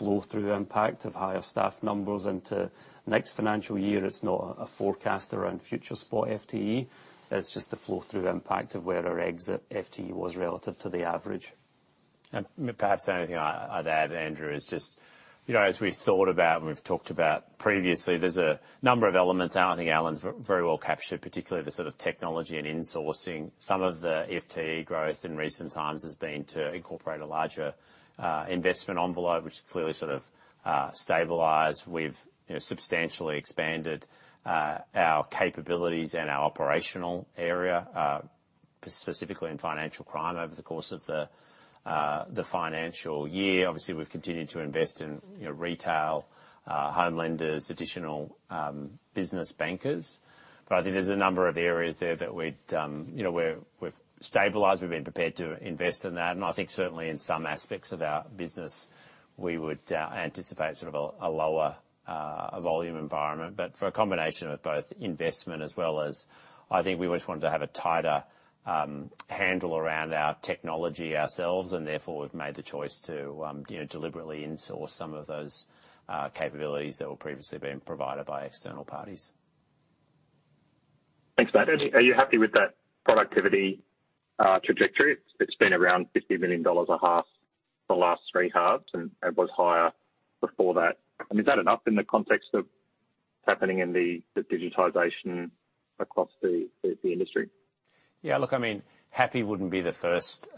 flow-through impact of higher staff numbers into next financial year. It's not a forecast around future spot FTE. That's just the flow-through impact of where our exit FTE was relative to the average. Perhaps the only thing I'd add, Andrew, is just, you know, as we thought about and we've talked about previously, there's a number of elements, and I think Alan's very well captured, particularly the sort of technology and insourcing. Some of the FTE growth in recent times has been to incorporate a larger investment envelope, which has clearly sort of stabilized. We've, you know, substantially expanded our capabilities in our operational area, specifically in financial crime over the course of the financial year. Obviously, we've continued to invest in, you know, retail home lenders, additional business bankers. But I think there's a number of areas there that we'd, you know, where we've stabilized, we've been prepared to invest in that. I think certainly in some aspects of our business, we would anticipate sort of a lower volume environment. But for a combination of both investment as well as, I think we just wanted to have a tighter handle around our technology ourselves, and therefore we've made the choice to, you know, deliberately in-source some of those capabilities that were previously being provided by external parties. Thanks, mate. Are you happy with that productivity trajectory? It's been around 50 million dollars a half the last three halves, and it was higher before that. I mean, is that enough in the context of what's happening in the digitization across the industry? Yeah. Look, I mean, happy wouldn't be the first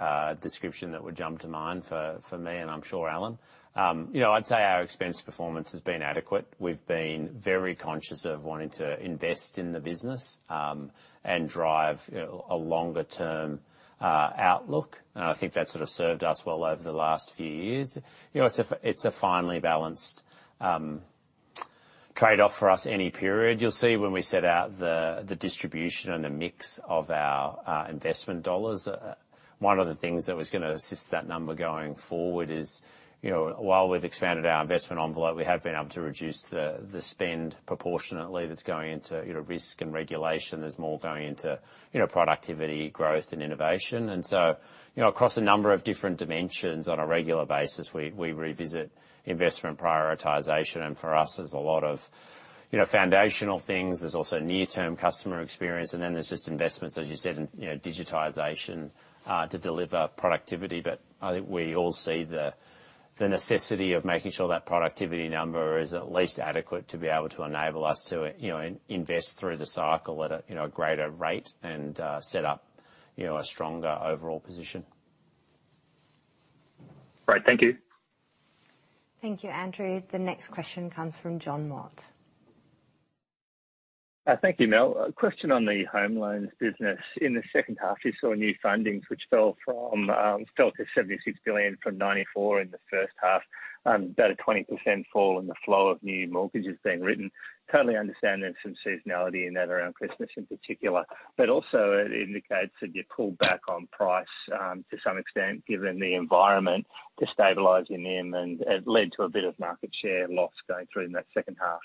description that would jump to mind for me, and I'm sure Alan. You know, I'd say our expense performance has been adequate. We've been very conscious of wanting to invest in the business, and drive a longer term outlook. I think that sort of served us well over the last few years. You know, it's a finely balanced trade-off for us any period. You'll see when we set out the distribution and the mix of our investment dollars. One of the things that was gonna assist that number going forward is, you know, while we've expanded our investment envelope, we have been able to reduce the spend proportionately that's going into, you know, risk and regulation. There's more going into, you know, productivity, growth and innovation. You know, across a number of different dimensions on a regular basis, we revisit investment prioritization. For us, there's a lot of, you know, foundational things. There's also near-term customer experience, and then there's just investments, as you said, in, you know, digitization to deliver productivity. I think we all see the necessity of making sure that productivity number is at least adequate to be able to enable us to, you know, invest through the cycle at a, you know, a greater rate and set up, you know, a stronger overall position. Great. Thank you. Thank you, Andrew. The next question comes from John Mott. Thank you, Mel. A question on the home loans business. In the second half, you saw new fundings which fell to 76 billion from 94 billion in the first half, about a 20% fall in the flow of new mortgages being written. Totally understand there's some seasonality in that around Christmas in particular, but also it indicates that you pulled back on price, to some extent, given the environment to stabilize your NIM and it led to a bit of market share loss going through in that second half.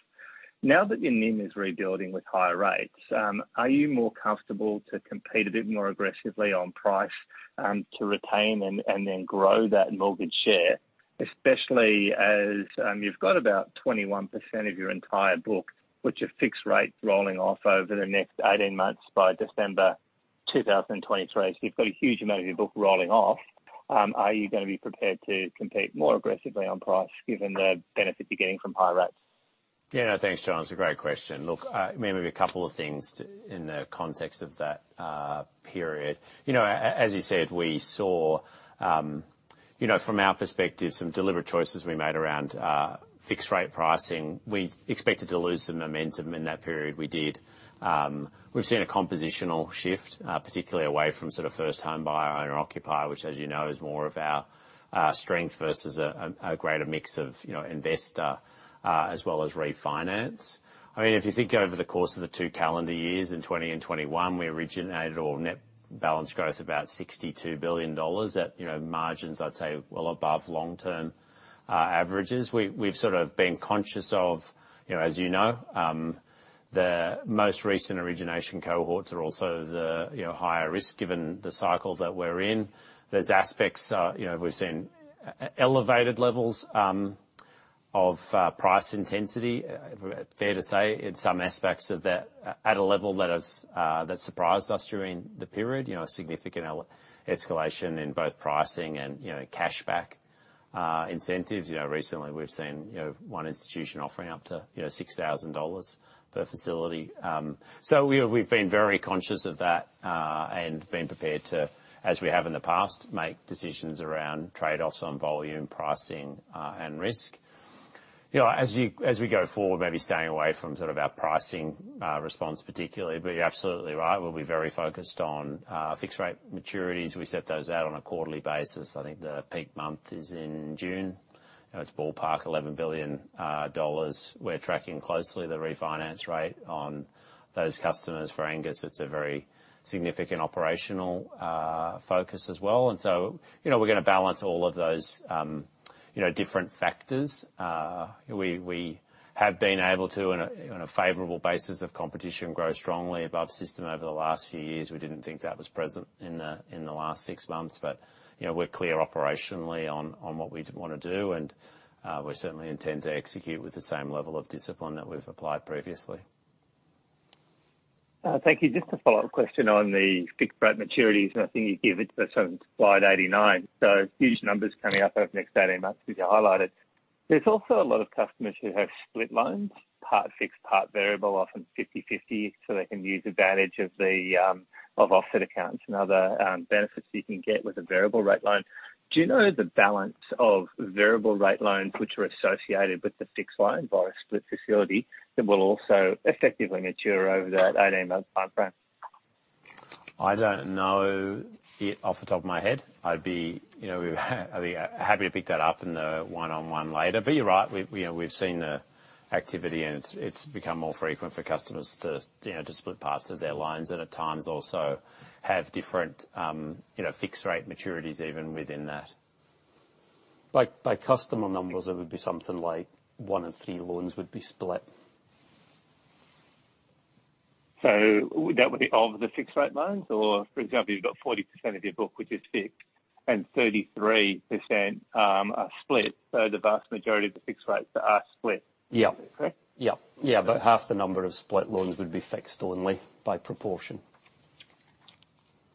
Now that your NIM is rebuilding with higher rates, are you more comfortable to compete a bit more aggressively on price, to retain and then grow that mortgage share, especially as you've got about 21% of your entire book, which are fixed rate, rolling off over the next 18 months by December 2023. You've got a huge amount of your book rolling off. Are you gonna be prepared to compete more aggressively on price given the benefit you're getting from higher rates? Yeah. No, thanks, John. It's a great question. Look, maybe a couple of things in the context of that period. You know, as you said, we saw, you know, from our perspective, some deliberate choices we made around fixed rate pricing. We expected to lose some momentum in that period. We did. We've seen a compositional shift, particularly away from sort of first home buyer/owner occupier, which as you know, is more of our strength versus a greater mix of, you know, investor as well as refinance. I mean, if you think over the course of the two calendar years, in 2020 and 2021, we originated all net balance growth about AUD 62 billion at, you know, margins I'd say well above long-term averages. We've sort of been conscious of, you know, as you know, the most recent origination cohorts are also the, you know, higher risk given the cycle that we're in. There are aspects, you know, we've seen elevated levels of price intensity. Fair to say in some aspects of that at a level that has surprised us during the period, you know, a significant escalation in both pricing and, you know, cash back incentives. You know, recently we've seen, you know, one institution offering up to, you know, 6,000 dollars per facility. So we've been very conscious of that, and been prepared to, as we have in the past, make decisions around trade-offs on volume, pricing, and risk. You know, as we go forward, maybe staying away from sort of our pricing response particularly, but you're absolutely right, we'll be very focused on fixed rate maturities. We set those out on a quarterly basis. I think the peak month is in June. You know, it's ballpark 11 billion dollars. We're tracking closely the refinance rate on those customers. For Angus, it's a very significant operational focus as well. You know, we're gonna balance all of those different factors. We have been able to, on a favorable basis of competition, grow strongly above system over the last few years. We didn't think that was present in the last six months but you know, we're clear operationally on what we wanna do, and we certainly intend to execute with the same level of discipline that we've applied previously. Thank you. Just a follow-up question on the fixed rate maturities, and I think you give it to us on slide 89. Huge numbers coming up over the next 18 months as you highlighted. There's also a lot of customers who have split loans, part fixed, part variable, often 50/50, so they can take advantage of the offset accounts and other benefits you can get with a variable rate loan. Do you know the balance of variable rate loans, which are associated with the fixed loan via split facility, that will also effectively mature over that 18-month timeframe? I don't know it off the top of my head. I'd be, you know, I'd be happy to pick that up in the one-on-one later. You're right, we, you know, we've seen the activity and it's become more frequent for customers to, you know, to split parts of their loans and at times also have different, you know, fixed rate maturities even within that. By customer numbers, it would be something like one in three loans would be split. Would that be of the fixed rate loans? For example, you've got 40% of your book, which is fixed and 33%, are split, so the vast majority of the fixed rates are split. Yeah. Correct? Yeah, about half the number of split loans would be fixed only by proportion.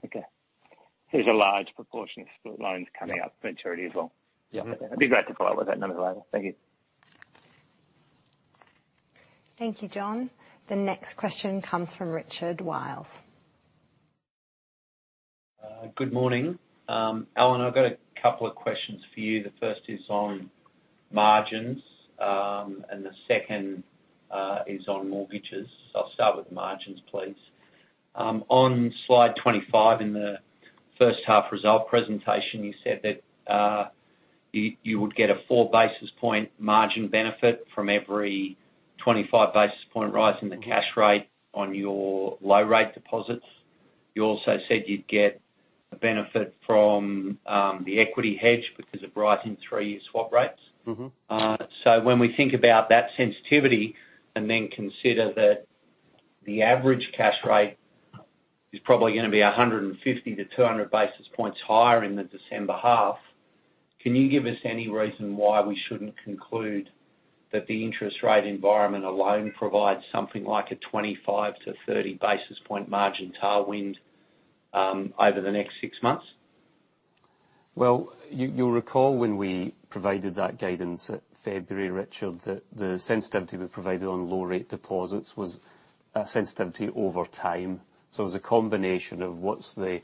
Okay. There's a large proportion of split loans coming up for maturity as well. Yeah. It'd be great to follow up with that number later. Thank you. Thank you, John. The next question comes from Richard Wiles. Good morning. Alan, I've got a couple of questions for you. The first is on margins, and the second is on mortgages. I'll start with margins, please. On slide 25 in the first half results presentation, you said that you would get a four basis point margin benefit from every 25 basis point rise in the cash rate on your low rate deposits. You also said you'd get a benefit from the equity hedge because of rising three-year swap rates. Mm-hmm. When we think about that sensitivity and then consider that the average cash rate is probably gonna be 150-200 basis points higher in the December half, can you give us any reason why we shouldn't conclude that the interest rate environment alone provides something like a 25-30 basis point margin tailwind over the next six months? Well, you'll recall when we provided that guidance in February, Richard, that the sensitivity we provided on low rate deposits was a sensitivity over time. It was a combination of what's the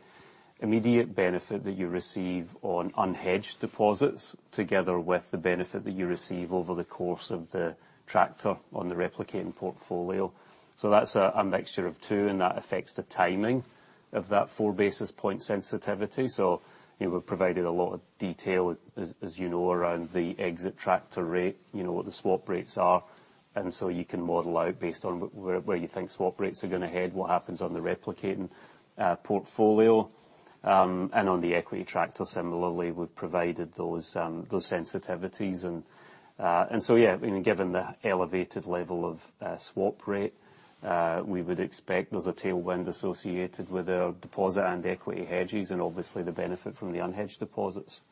immediate benefit that you receive on unhedged deposits together with the benefit that you receive over the course of the tracker on the replicating portfolio. That's a mixture of two, and that affects the timing of that four basis point sensitivity. You know, we've provided a lot of detail as you know around the exit tracker rate, you know, what the swap rates are, and so you can model out based on where you think swap rates are gonna head, what happens on the replicating portfolio. And on the equity tracker, similarly, we've provided those sensitivities and. Yeah, I mean, given the elevated level of swap rate, we would expect there's a tailwind associated with our deposit and equity hedges and obviously the benefit from the unhedged deposits.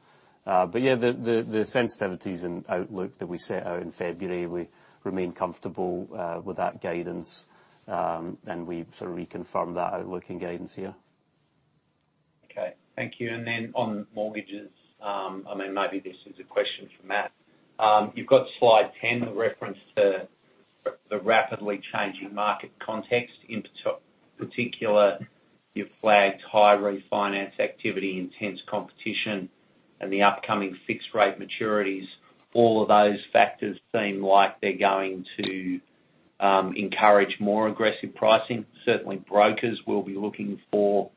Yeah, the sensitivities and outlook that we set out in February, we remain comfortable with that guidance, and we sort of reconfirm that outlook and guidance here. Okay. Thank you. On mortgages, I mean, maybe this is a question for Matt. You've got slide 10, the reference to the rapidly changing market context. In particular, you've flagged high refinance activity, intense competition, and the upcoming fixed rate maturities. All of those factors seem like they're going to encourage more aggressive pricing. Certainly, brokers will be looking for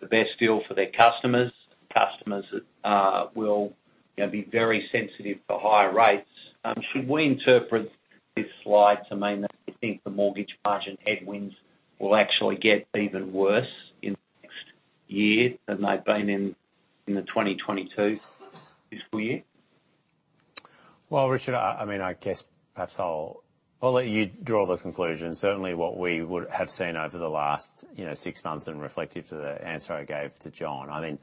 the best deal for their customers. Customers that will, you know, be very sensitive to higher rates. Should we interpret this slide to mean that you think the mortgage margin headwinds will actually get even worse in the next year than they've been in the 2022 fiscal year? Well, Richard, I mean, I guess perhaps I'll let you draw the conclusion. Certainly what we would have seen over the last, you know, six months and reflective of the answer I gave to John. I mean,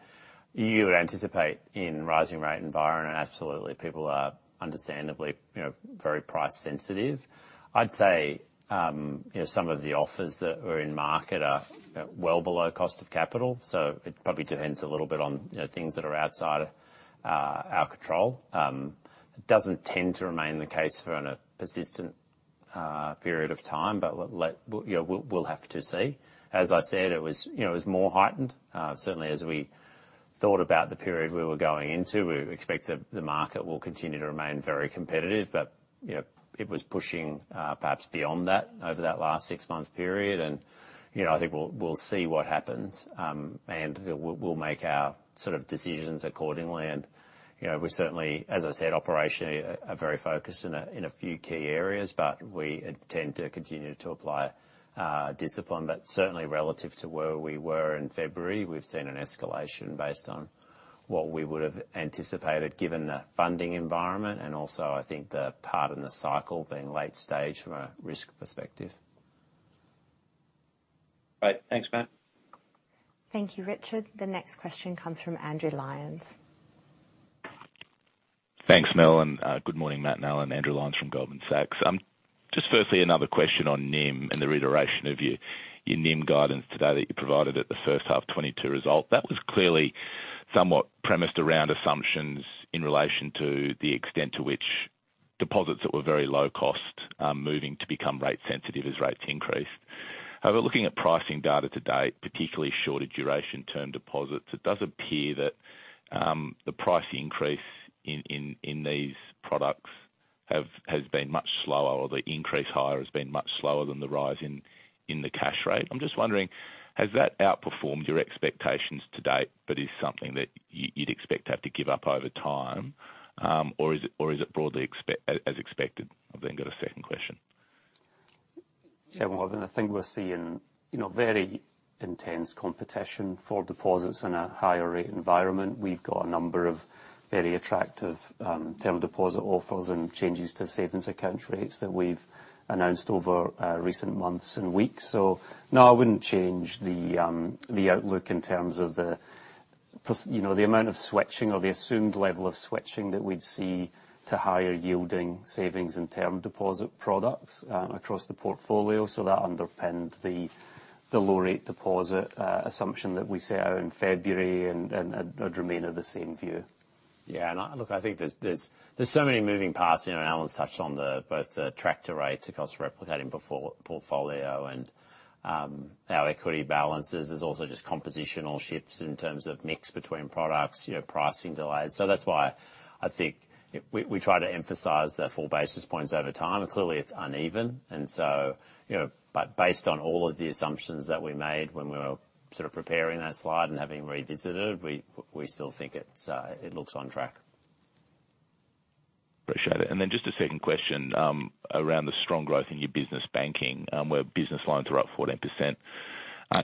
you would anticipate in rising rate environment, absolutely, people are understandably, you know, very price sensitive. I'd say, you know, some of the offers that were in market are well below cost of capital, so it probably depends a little bit on, you know, things that are outside of our control. It doesn't tend to remain the case for a persistent period of time, but we'll let you know. You know, we'll have to see. As I said, it was, you know, more heightened. Certainly as we thought about the period we were going into, we expect the market will continue to remain very competitive. You know, it was pushing, perhaps beyond that over that last six months period. You know, I think we'll see what happens. We'll make our sort of decisions accordingly. You know, we certainly, as I said, operationally are very focused in a few key areas, but we intend to continue to apply discipline. Certainly relative to where we were in February, we've seen an escalation based on what we would have anticipated given the funding environment and also I think the part in the cycle being late stage from a risk perspective. Right. Thanks, Matt. Thank you, Richard. The next question comes from Andrew Lyons. Thanks, Mel, and good morning Matt and Alan. Andrew Lyons from Goldman Sachs. Just firstly another question on NIM and the reiteration of your NIM guidance today that you provided at the first half 2022 result. That was clearly somewhat premised around assumptions in relation to the extent to which deposits that were very low cost are moving to become rate sensitive as rates increased. However, looking at pricing data to date, particularly shorter duration term deposits, it does appear that the price increase in these products has been much slower or the higher increase has been much slower than the rise in the cash rate. I'm just wondering, has that outperformed your expectations to date but is something that you'd expect to have to give up over time? Or is it broadly as expected? Then I've got a second question. Yeah, well, I think we're seeing, you know, very intense competition for deposits in a higher rate environment. We've got a number of very attractive term deposit offers and changes to savings account rates that we've announced over recent months and weeks. No, I wouldn't change the outlook in terms of the, you know, the amount of switching or the assumed level of switching that we'd see to higher yielding savings and term deposit products across the portfolio. That underpinned the low rate deposit assumption that we set out in February and I'd remain of the same view. Yeah, look, I think there's so many moving parts, you know, and Alan touched on both the tracker rates, of course, replicating the TFF portfolio and our equity balances. There's also just compositional shifts in terms of mix between products, you know, pricing delays. That's why I think we try to emphasize the full basis points over time. Clearly it's uneven. You know, but based on all of the assumptions that we made when we were sort of preparing that slide and having revisited, we still think it looks on track. Appreciate it. Just a second question around the strong growth in your business banking, where business lines are up 14%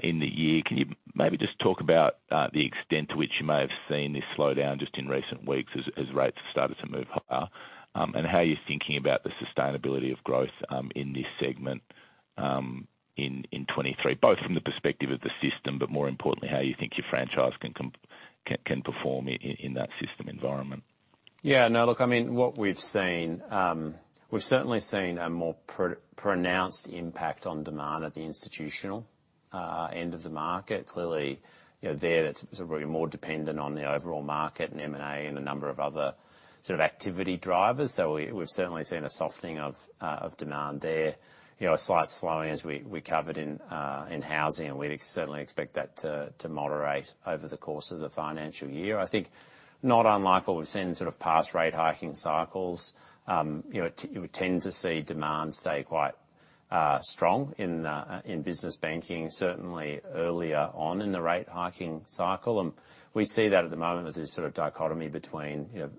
in the year. Can you maybe just talk about the extent to which you may have seen this slow down just in recent weeks as rates have started to move higher? How you're thinking about the sustainability of growth in this segment in 2023, both from the perspective of the system, but more importantly, how you think your franchise can perform in that system environment. Yeah. No, look, I mean, what we've seen, we've certainly seen a more pronounced impact on demand at the institutional end of the market. Clearly, you know, there it's sort of more dependent on the overall market and M&A and a number of other sort of activity drivers. So we've certainly seen a softening of demand there. You know, a slight slowing as we covered in housing, and we'd certainly expect that to moderate over the course of the financial year. I think not unlike what we've seen sort of past rate hiking cycles, you know, you would tend to see demand stay quite strong in business banking, certainly earlier on in the rate hiking cycle. We see that at the moment with this sort of dichotomy between, you know,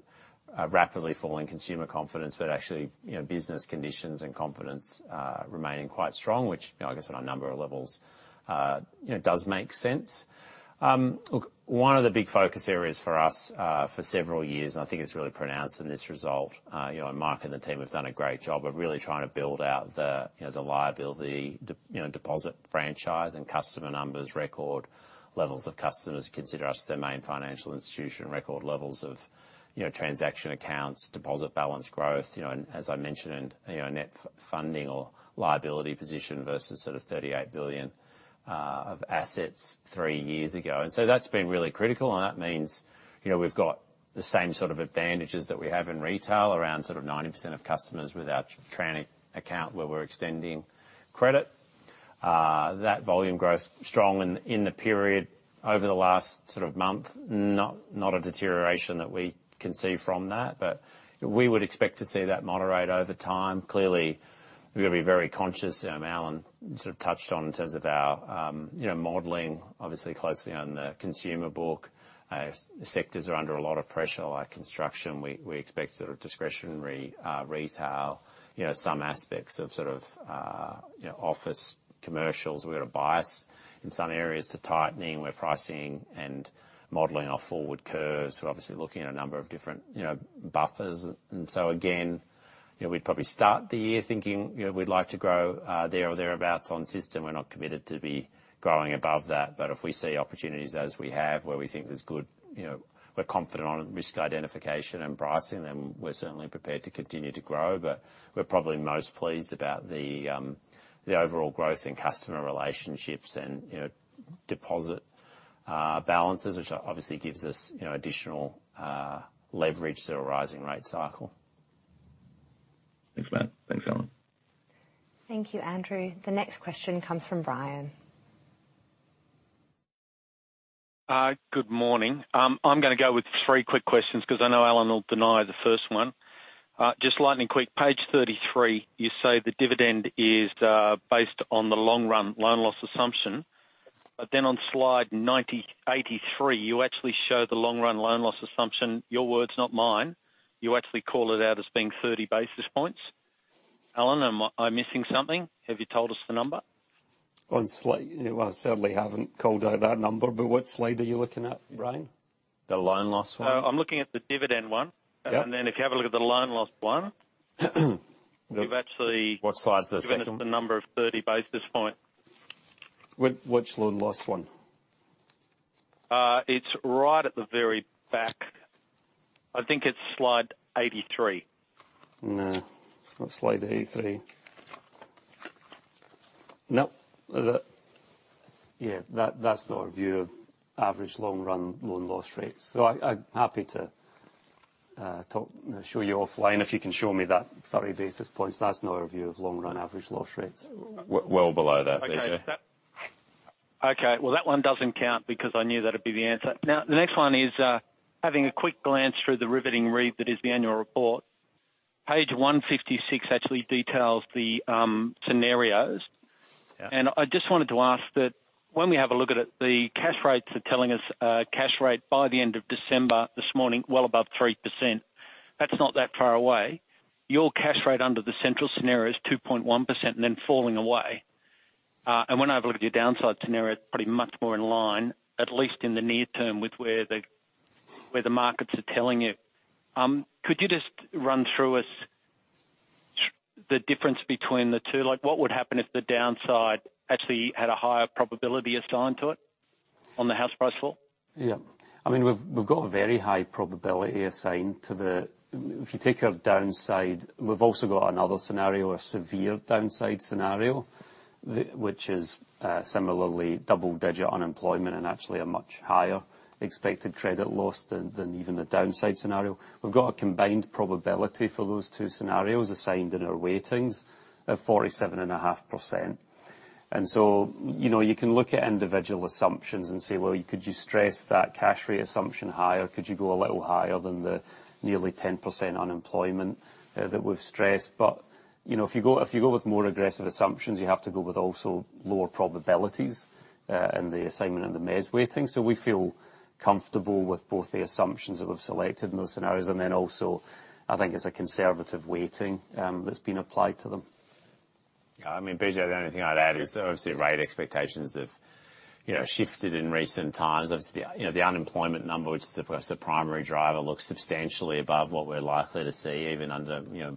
a rapidly falling consumer confidence, but actually, you know, business conditions and confidence remaining quite strong, which, you know, I guess on a number of levels, you know, does make sense. Look, one of the big focus areas for us for several years, and I think it's really pronounced in this result, you know, and Mark and the team have done a great job of really trying to build out the, you know, the liability deposit franchise and customer numbers, record levels of customers who consider us their main financial institution, record levels of, you know, transaction accounts, deposit balance growth, you know, and as I mentioned, and, you know, net funding or liability position versus sort of 38 billion of assets three years ago. That's been really critical. That means, you know, we've got the same sort of advantages that we have in retail around sort of 90% of customers with our transaction account where we're extending credit. That volume growth strong in the period over the last sort of month, not a deterioration that we can see from that, but we would expect to see that moderate over time. Clearly, we've got to be very conscious, you know, and Alan sort of touched on in terms of our, you know, modeling obviously closely on the consumer book. Sectors are under a lot of pressure like construction. We expect sort of discretionary retail, you know, some aspects of sort of, you know, office commercials. We've got a bias in some areas to tightening. We're pricing and modeling our forward curves. We're obviously looking at a number of different, you know, buffers. Again, you know, we'd probably start the year thinking, you know, we'd like to grow there or thereabouts on system. We're not committed to be growing above that. If we see opportunities as we have where we think there's good, you know, we're confident on risk identification and pricing, then we're certainly prepared to continue to grow. We're probably most pleased about the overall growth in customer relationships and, you know, deposit balances, which obviously gives us, you know, additional leverage through a rising rate cycle. Thanks, Matt. Thanks, Alan. Thank you, Andrew. The next question comes from Brian. Good morning. I'm gonna go with three quick questions 'cause I know Alan will deny the first one. Just lightning quick. Page 33, you say the dividend is based on the long run loan loss assumption. On slide 83, you actually show the long run loan loss assumption. Your words, not mine. You actually call it out as being 30 basis points. Alan, am I missing something? Have you told us the number? Well, I certainly haven't called out that number, but what slide are you looking at, Brian? The loan loss one. I'm looking at the dividend one. Yeah. If you have a look at the loan loss, you've actually What slide is the second one? Given us the number of 30 basis points. Which loan loss one? It's right at the very back. I think it's slide 83. No. Not slide 83. Nope. Yeah. That's not our view of average long run loan loss rates. I'm happy to show you offline if you can show me that 30 basis points. That's not our view of long run average loss rates. Well below that, BJ. Okay. Well, that one doesn't count because I knew that'd be the answer. Now, the next one is having a quick glance through the riveting read that is the annual report. Page 156 actually details the scenarios. Yeah. I just wanted to ask that when we have a look at it, the cash rates are telling us, cash rate by the end of December this morning, well above 3%. That's not that far away. Your cash rate under the central scenario is 2.1% and then falling away. And when I have a look at your downside scenario, it's probably much more in line, at least in the near term, with where the, where the markets are telling you. Could you just run through the difference between the two? Like, what would happen if the downside actually had a higher probability assigned to it on the house price fall? Yeah. I mean, we've got a very high probability assigned to the. If you take our downside, we've also got another scenario, a severe downside scenario. Which is similarly double-digit unemployment and actually a much higher expected credit loss than even the downside scenario. We've got a combined probability for those two scenarios assigned in our weightings of 47.5%. You know, you can look at individual assumptions and say, "Well, could you stress that cash rate assumption higher? Could you go a little higher than the nearly 10% unemployment that we've stressed?" You know, if you go with more aggressive assumptions, you have to go with also lower probabilities in the assignment and the MES weighting. We feel comfortable with both the assumptions that we've selected in those scenarios. I think it's a conservative weighting that's been applied to them. Yeah. I mean, BJ, the only thing I'd add is obviously rate expectations have, you know, shifted in recent times. Obviously, you know, the unemployment number, which is of course the primary driver, looks substantially above what we're likely to see even under, you know,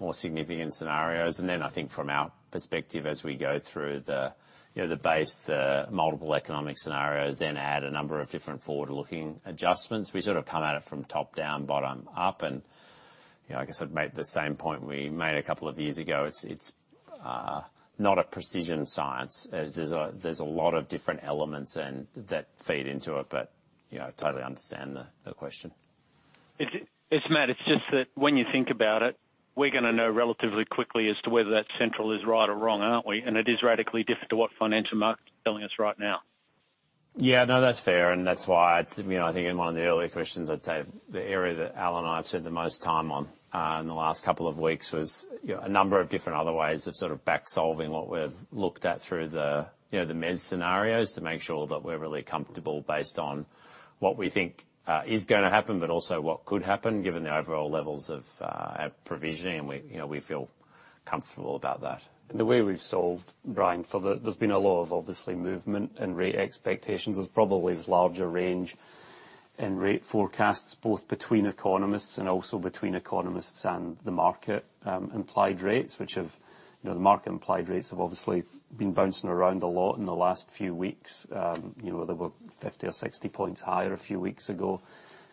more significant scenarios. I think from our perspective as we go through the, you know, the base, the multiple economic scenarios, then add a number of different forward-looking adjustments, we sort of come at it from top down, bottom up. You know, I guess I'd make the same point we made a couple of years ago. It's not a precision science. There's a lot of different elements and that feed into it. You know, I totally understand the question. It's Matt. It's just that when you think about it, we're gonna know relatively quickly as to whether that central is right or wrong, aren't we? It is radically different to what financial market's telling us right now. Yeah. No, that's fair, and that's why it's, you know, I think in one of the earlier questions, I'd say the area that Alan and I have spent the most time on, in the last couple of weeks was, you know, a number of different other ways of sort of back-solving what we've looked at through the, you know, the MES scenarios to make sure that we're really comfortable based on what we think, is gonna happen, but also what could happen given the overall levels of, our provisioning. We, you know, we feel comfortable about that. The way we've solved, Brian. There's been a lot of obvious movement in rate expectations. There's probably this larger range in rate forecasts, both between economists and also between economists and the market implied rates, which have, you know, the market implied rates have obviously been bouncing around a lot in the last few weeks. You know, they were 50 or 60 points higher a few weeks ago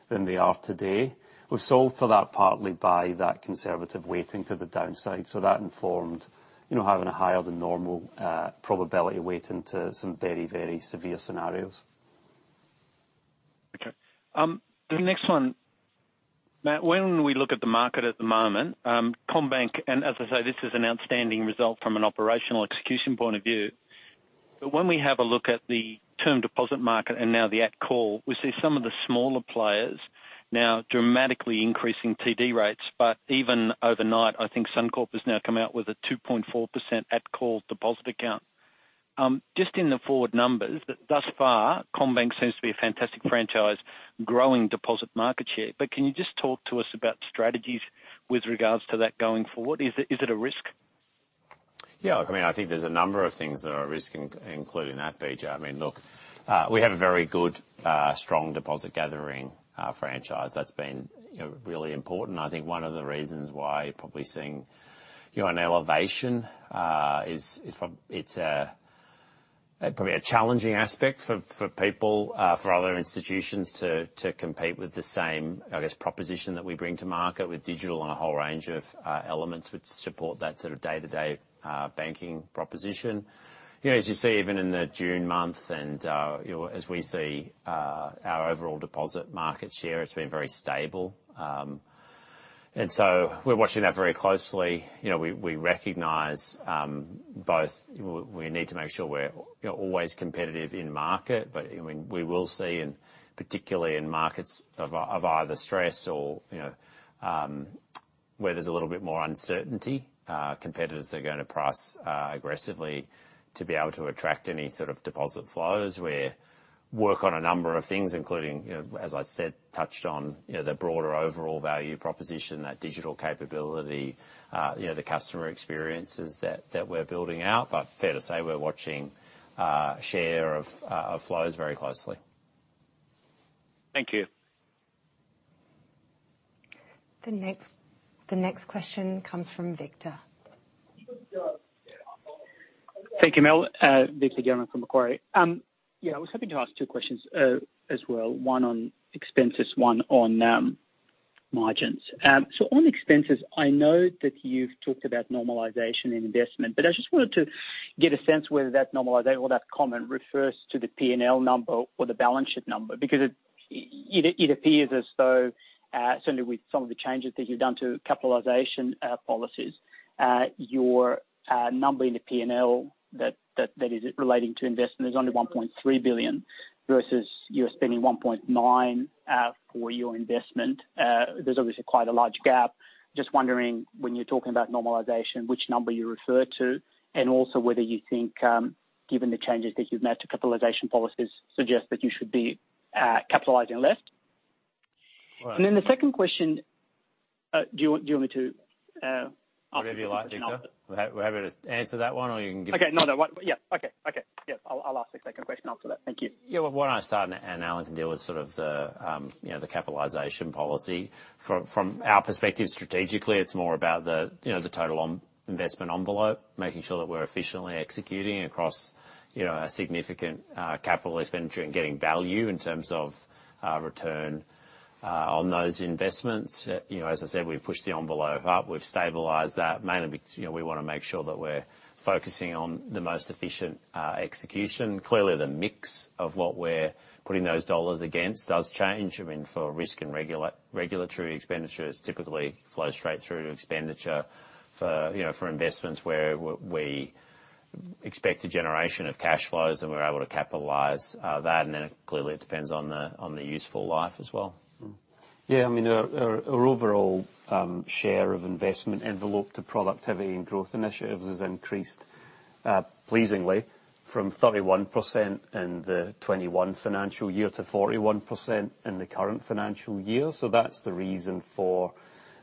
than they are today. We've solved for that partly by that conservative weighting to the downside. That informed, you know, having a higher than normal probability weighting to some very, very severe scenarios. Okay. The next one. Matt, when we look at the market at the moment, CommBank, and as I say, this is an outstanding result from an operational execution point of view. When we have a look at the term deposit market and now the at call, we see some of the smaller players now dramatically increasing TD rates. Even overnight, I think Suncorp has now come out with a 2.4% at call deposit account. Just in the forward numbers, thus far, CommBank seems to be a fantastic franchise growing deposit market share. Can you just talk to us about strategies with regards to that going forward? Is it a risk? Yeah. I mean, I think there's a number of things that are a risk including that, BJ. I mean, look, we have a very good strong deposit gathering franchise that's been, you know, really important. I think one of the reasons why you're probably seeing, you know, an elevation is it's probably a challenging aspect for people for other institutions to compete with the same, I guess, proposition that we bring to market with digital and a whole range of elements which support that sort of day-to-day banking proposition. You know, as you see, even in the June month and you know, as we see our overall deposit market share, it's been very stable. We're watching that very closely. You know, we recognize both we need to make sure we're, you know, always competitive in market, but, I mean, we will see, and particularly in markets of either stress or, you know, where there's a little bit more uncertainty, competitors are gonna price aggressively to be able to attract any sort of deposit flows. We work on a number of things, including, you know, as I said, touched on, you know, the broader overall value proposition, that digital capability, you know, the customer experiences that we're building out. Fair to say we're watching share of flows very closely. Thank you. The next question comes from Victor. Thank you, Mel. Victor German from Macquarie. I was hoping to ask two questions, as well, one on expenses, one on margins. So on expenses, I know that you've talked about normalization in investment, but I just wanted to get a sense whether that normalization or that comment refers to the P&L number or the balance sheet number. Because it appears as though, certainly with some of the changes that you've done to capitalization policies, your number in the P&L that is relating to investment is only 1.3 billion versus you're spending 1.9 billion for your investment. There's obviously quite a large gap. Just wondering when you're talking about normalization, which number you refer to, and also whether you think, given the changes that you've made to capitalization policies suggest that you should be capitalizing less. Right. The second question, do you want me to ask the second question after? Whatever you like, Victor. We're happy to answer that one or you can give the second one. Okay. No, no. Yeah, okay. Okay. Yeah, I'll ask the second question after that. Thank you. Yeah. Well, why don't I start and Alan can deal with sort of the, you know, the capitalization policy. From our perspective, strategically, it's more about the, you know, the total investment envelope, making sure that we're efficiently executing across, you know, a significant capital expenditure and getting value in terms of return on those investments. You know, as I said, we've pushed the envelope up. We've stabilized that mainly you know, we wanna make sure that we're focusing on the most efficient execution. Clearly, the mix of what we're putting those dollars against does change. I mean, for risk and regulatory expenditures typically flow straight through to expenditure for, you know, for investments where we expect a generation of cash flows, and we're able to capitalize that, and then clearly it depends on the useful life as well. Yeah. I mean, our overall share of investment envelope to productivity and growth initiatives has increased, pleasingly from 31% in the 2021 financial year to 41% in the current financial year. So that's the reason for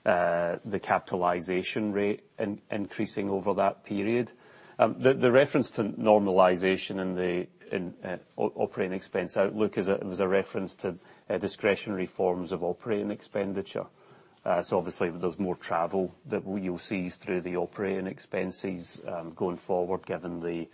the capitalization rate increasing over that period. The reference to normalization in the operating expense outlook was a reference to discretionary forms of operating expenditure. So obviously there's more travel that you'll see through the operating expenses going forward, given the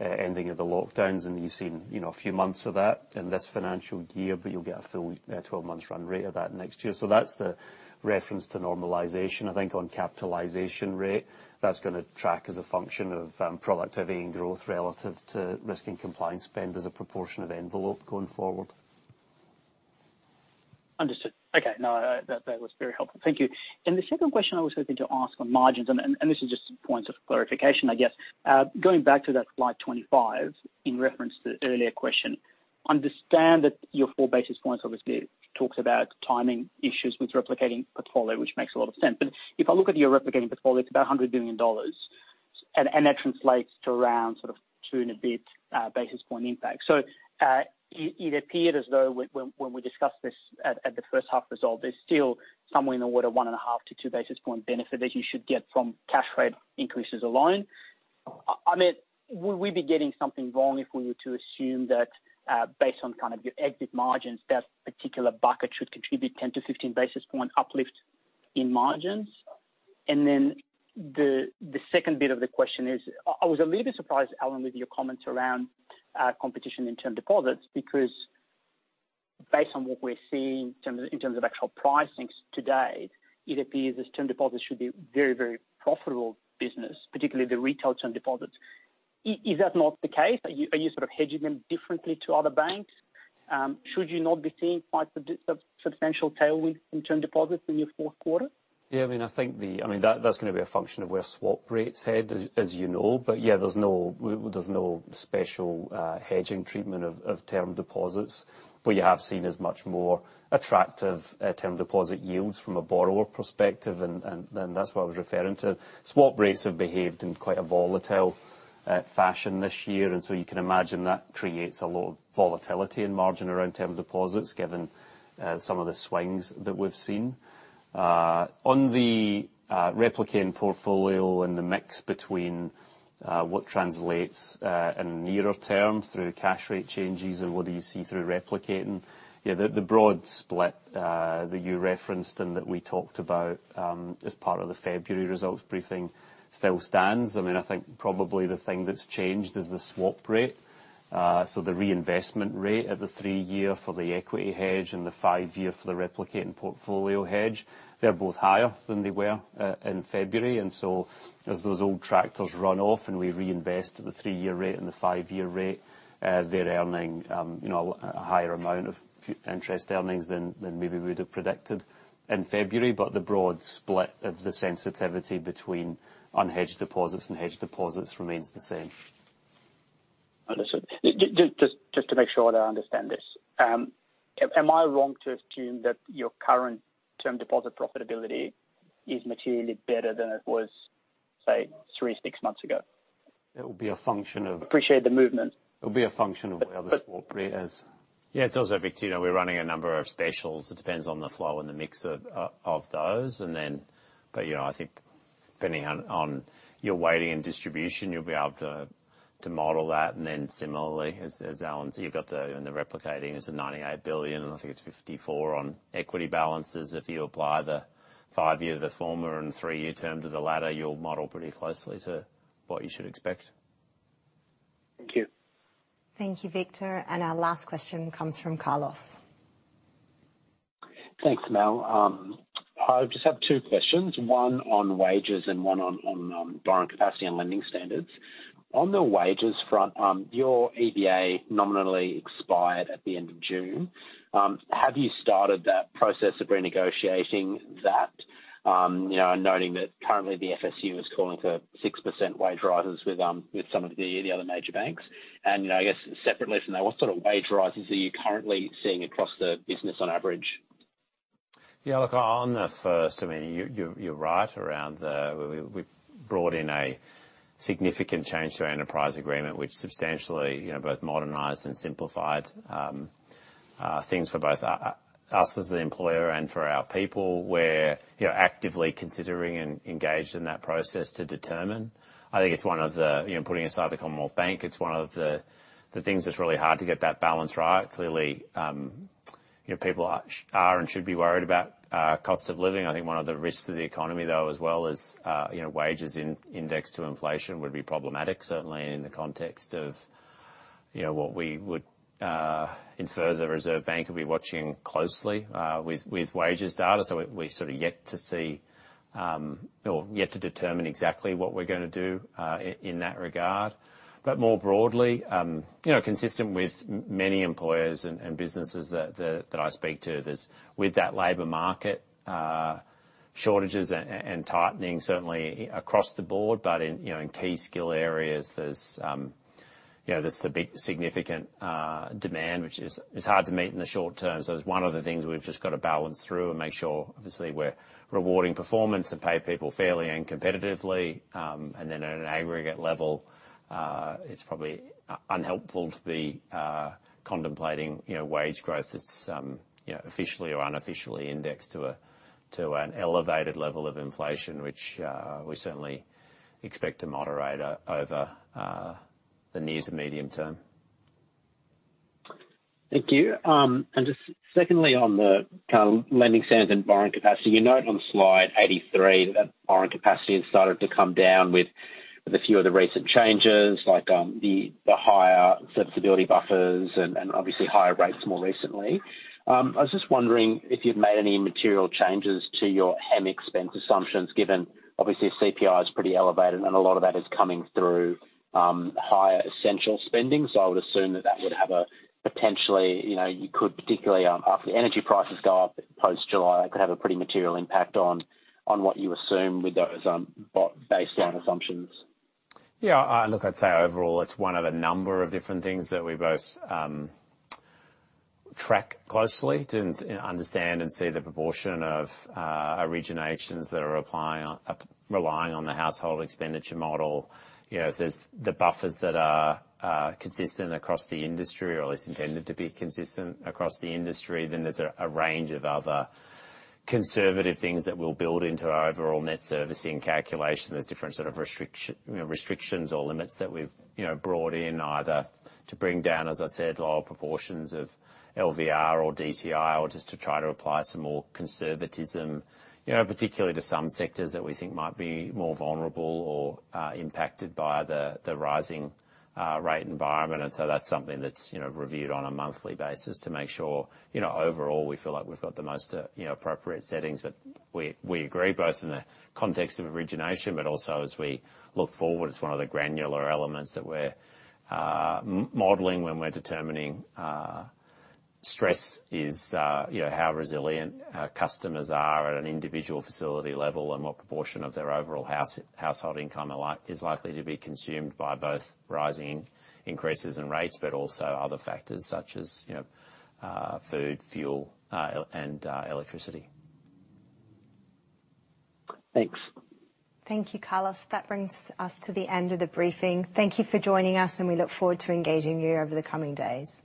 ending of the lockdowns. You've seen, you know, a few months of that in this financial year, but you'll get a full twelve-month run rate of that next year. So that's the reference to normalization. I think on capitalization rate, that's gonna track as a function of, productivity and growth relative to risk and compliance spend as a proportion of envelope going forward. Understood. Okay. No, that was very helpful. Thank you. The second question I was hoping to ask on margins, and this is just points of clarification, I guess. Going back to that slide 25, in reference to the earlier question, understand that your four basis points obviously talks about timing issues with replicating portfolio, which makes a lot of sense. If I look at your replicating portfolio, it's about 100 billion dollars, and that translates to around sort of two and a bit basis point impact. It appeared as though when we discussed this at the first half result, there's still somewhere in the order of 1.5-2 basis point benefit that you should get from cash rate increases alone. I mean, would we be getting something wrong if we were to assume that, based on kind of your exit margins, that particular bucket should contribute 10-15 basis point uplift in margins? Then the second bit of the question is, I was a little bit surprised, Alan, with your comments around, competition in term deposits, because based on what we're seeing in terms of actual pricings today, it appears as term deposits should be very, very profitable business, particularly the retail term deposits. Is that not the case? Are you sort of hedging them differently to other banks? Should you not be seeing quite substantial tailwind in term deposits in your fourth quarter? I mean, that's gonna be a function of where swap rates head, as you know. There's no special hedging treatment of term deposits. What you have seen is much more attractive term deposit yields from a borrower perspective, and that's what I was referring to. Swap rates have behaved in quite a volatile fashion this year, and so you can imagine that creates a lot of volatility in margin around term deposits, given some of the swings that we've seen. On the replicating portfolio and the mix between what translates in nearer term through cash rate changes and what do you see through replicating. Yeah, the broad split that you referenced and that we talked about as part of the February results briefing still stands. I mean, I think probably the thing that's changed is the swap rate. The reinvestment rate at the three-year for the equity hedge and the five-year for the replicating portfolio hedge, they're both higher than they were in February. As those old trackers run off and we reinvest at the three-year rate and the five-year rate, they're earning, you know, a higher amount of interest earnings than maybe we would have predicted in February. The broad split of the sensitivity between unhedged deposits and hedged deposits remains the same. Understood. Just to make sure that I understand this. Am I wrong to assume that your current term deposit profitability is materially better than it was, say, three, six months ago? It will be a function of. Appreciate the movement. It'll be a function of where the swap rate is. Yeah. It's also, Victor, you know, we're running a number of specials. It depends on the flow and the mix of those. You know, I think depending on your weighting and distribution, you'll be able to model that. Similarly, as Alan said, you've got the replicating. It's 98 billion, and I think it's 54 billion on equity balances. If you apply the five-year, the former and 3-year term to the latter, you'll model pretty closely to what you should expect. Thank you. Thank you, Victor. Our last question comes from Carlos. Thanks, Mel. I just have two questions, one on wages and one on borrowing capacity and lending standards. On the wages front, your EBA nominally expired at the end of June. Have you started that process of renegotiating that? You know, and noting that currently the FSU is calling for 6% wage rises with some of the other major banks. You know, I guess separately from that, what sort of wage rises are you currently seeing across the business on average? Yeah, look, on the first, I mean, you're right around the. We brought in a significant change to our enterprise agreement, which substantially, you know, both modernized and simplified things for both us, as the employer and for our people. We're, you know, actively considering and engaged in that process to determine. I think it's one of the. You know, putting aside the Commonwealth Bank, it's one of the things that's really hard to get that balance right. Clearly, you know, people are and should be worried about cost of living. I think one of the risks to the economy, though, as well is, you know, wages indexed to inflation would be problematic, certainly in the context of, you know, what we would infer the Reserve Bank will be watching closely, with wages data. We're sort of yet to see or yet to determine exactly what we're gonna do in that regard. More broadly, you know, consistent with many employers and businesses that I speak to, there's with that labor market shortages and tightening certainly across the board. In you know in key skill areas, there's a big significant demand which is hard to meet in the short term. It's one of the things we've just got to balance through and make sure obviously we're rewarding performance and pay people fairly and competitively. At an aggregate level, it's probably unhelpful to be contemplating, you know, wage growth that's, you know, officially or unofficially indexed to an elevated level of inflation, which we certainly expect to moderate over the near to medium term. Thank you. Just secondly, on the kind of lending standards and borrowing capacity. You note on slide 83 that borrowing capacity has started to come down with a few of the recent changes, like the higher sensitivity buffers and obviously higher rates more recently. I was just wondering if you'd made any material changes to your HEM expense assumptions, given obviously CPI is pretty elevated and a lot of that is coming through higher essential spending. I would assume that would have a potentially, you know, you could particularly after the energy prices go up post-July, that could have a pretty material impact on what you assume with those baseline assumptions. Yeah. Look, I'd say overall it's one of a number of different things that we both track closely to understand and see the proportion of originations that are relying on the household expenditure model. You know, if there's the buffers that are consistent across the industry or at least intended to be consistent across the industry, then there's a range of other conservative things that we'll build into our overall net servicing calculation. There's different sort of restrictions or limits that we've brought in either to bring down, as I said, lower proportions of LVR or DTI, or just to try to apply some more conservatism, you know, particularly to some sectors that we think might be more vulnerable or impacted by the rising rate environment. That's something that's, you know, reviewed on a monthly basis to make sure, you know, overall we feel like we've got the most, you know, appropriate settings. We agree both in the context of origination, but also as we look forward, it's one of the granular elements that we're modeling when we're determining stress is, you know, how resilient our customers are at an individual facility level and what proportion of their overall household income is likely to be consumed by both rising increases in rates, but also other factors such as, you know, food, fuel, and electricity. Thanks. Thank you, Carlos. That brings us to the end of the briefing. Thank you for joining us, and we look forward to engaging you over the coming days.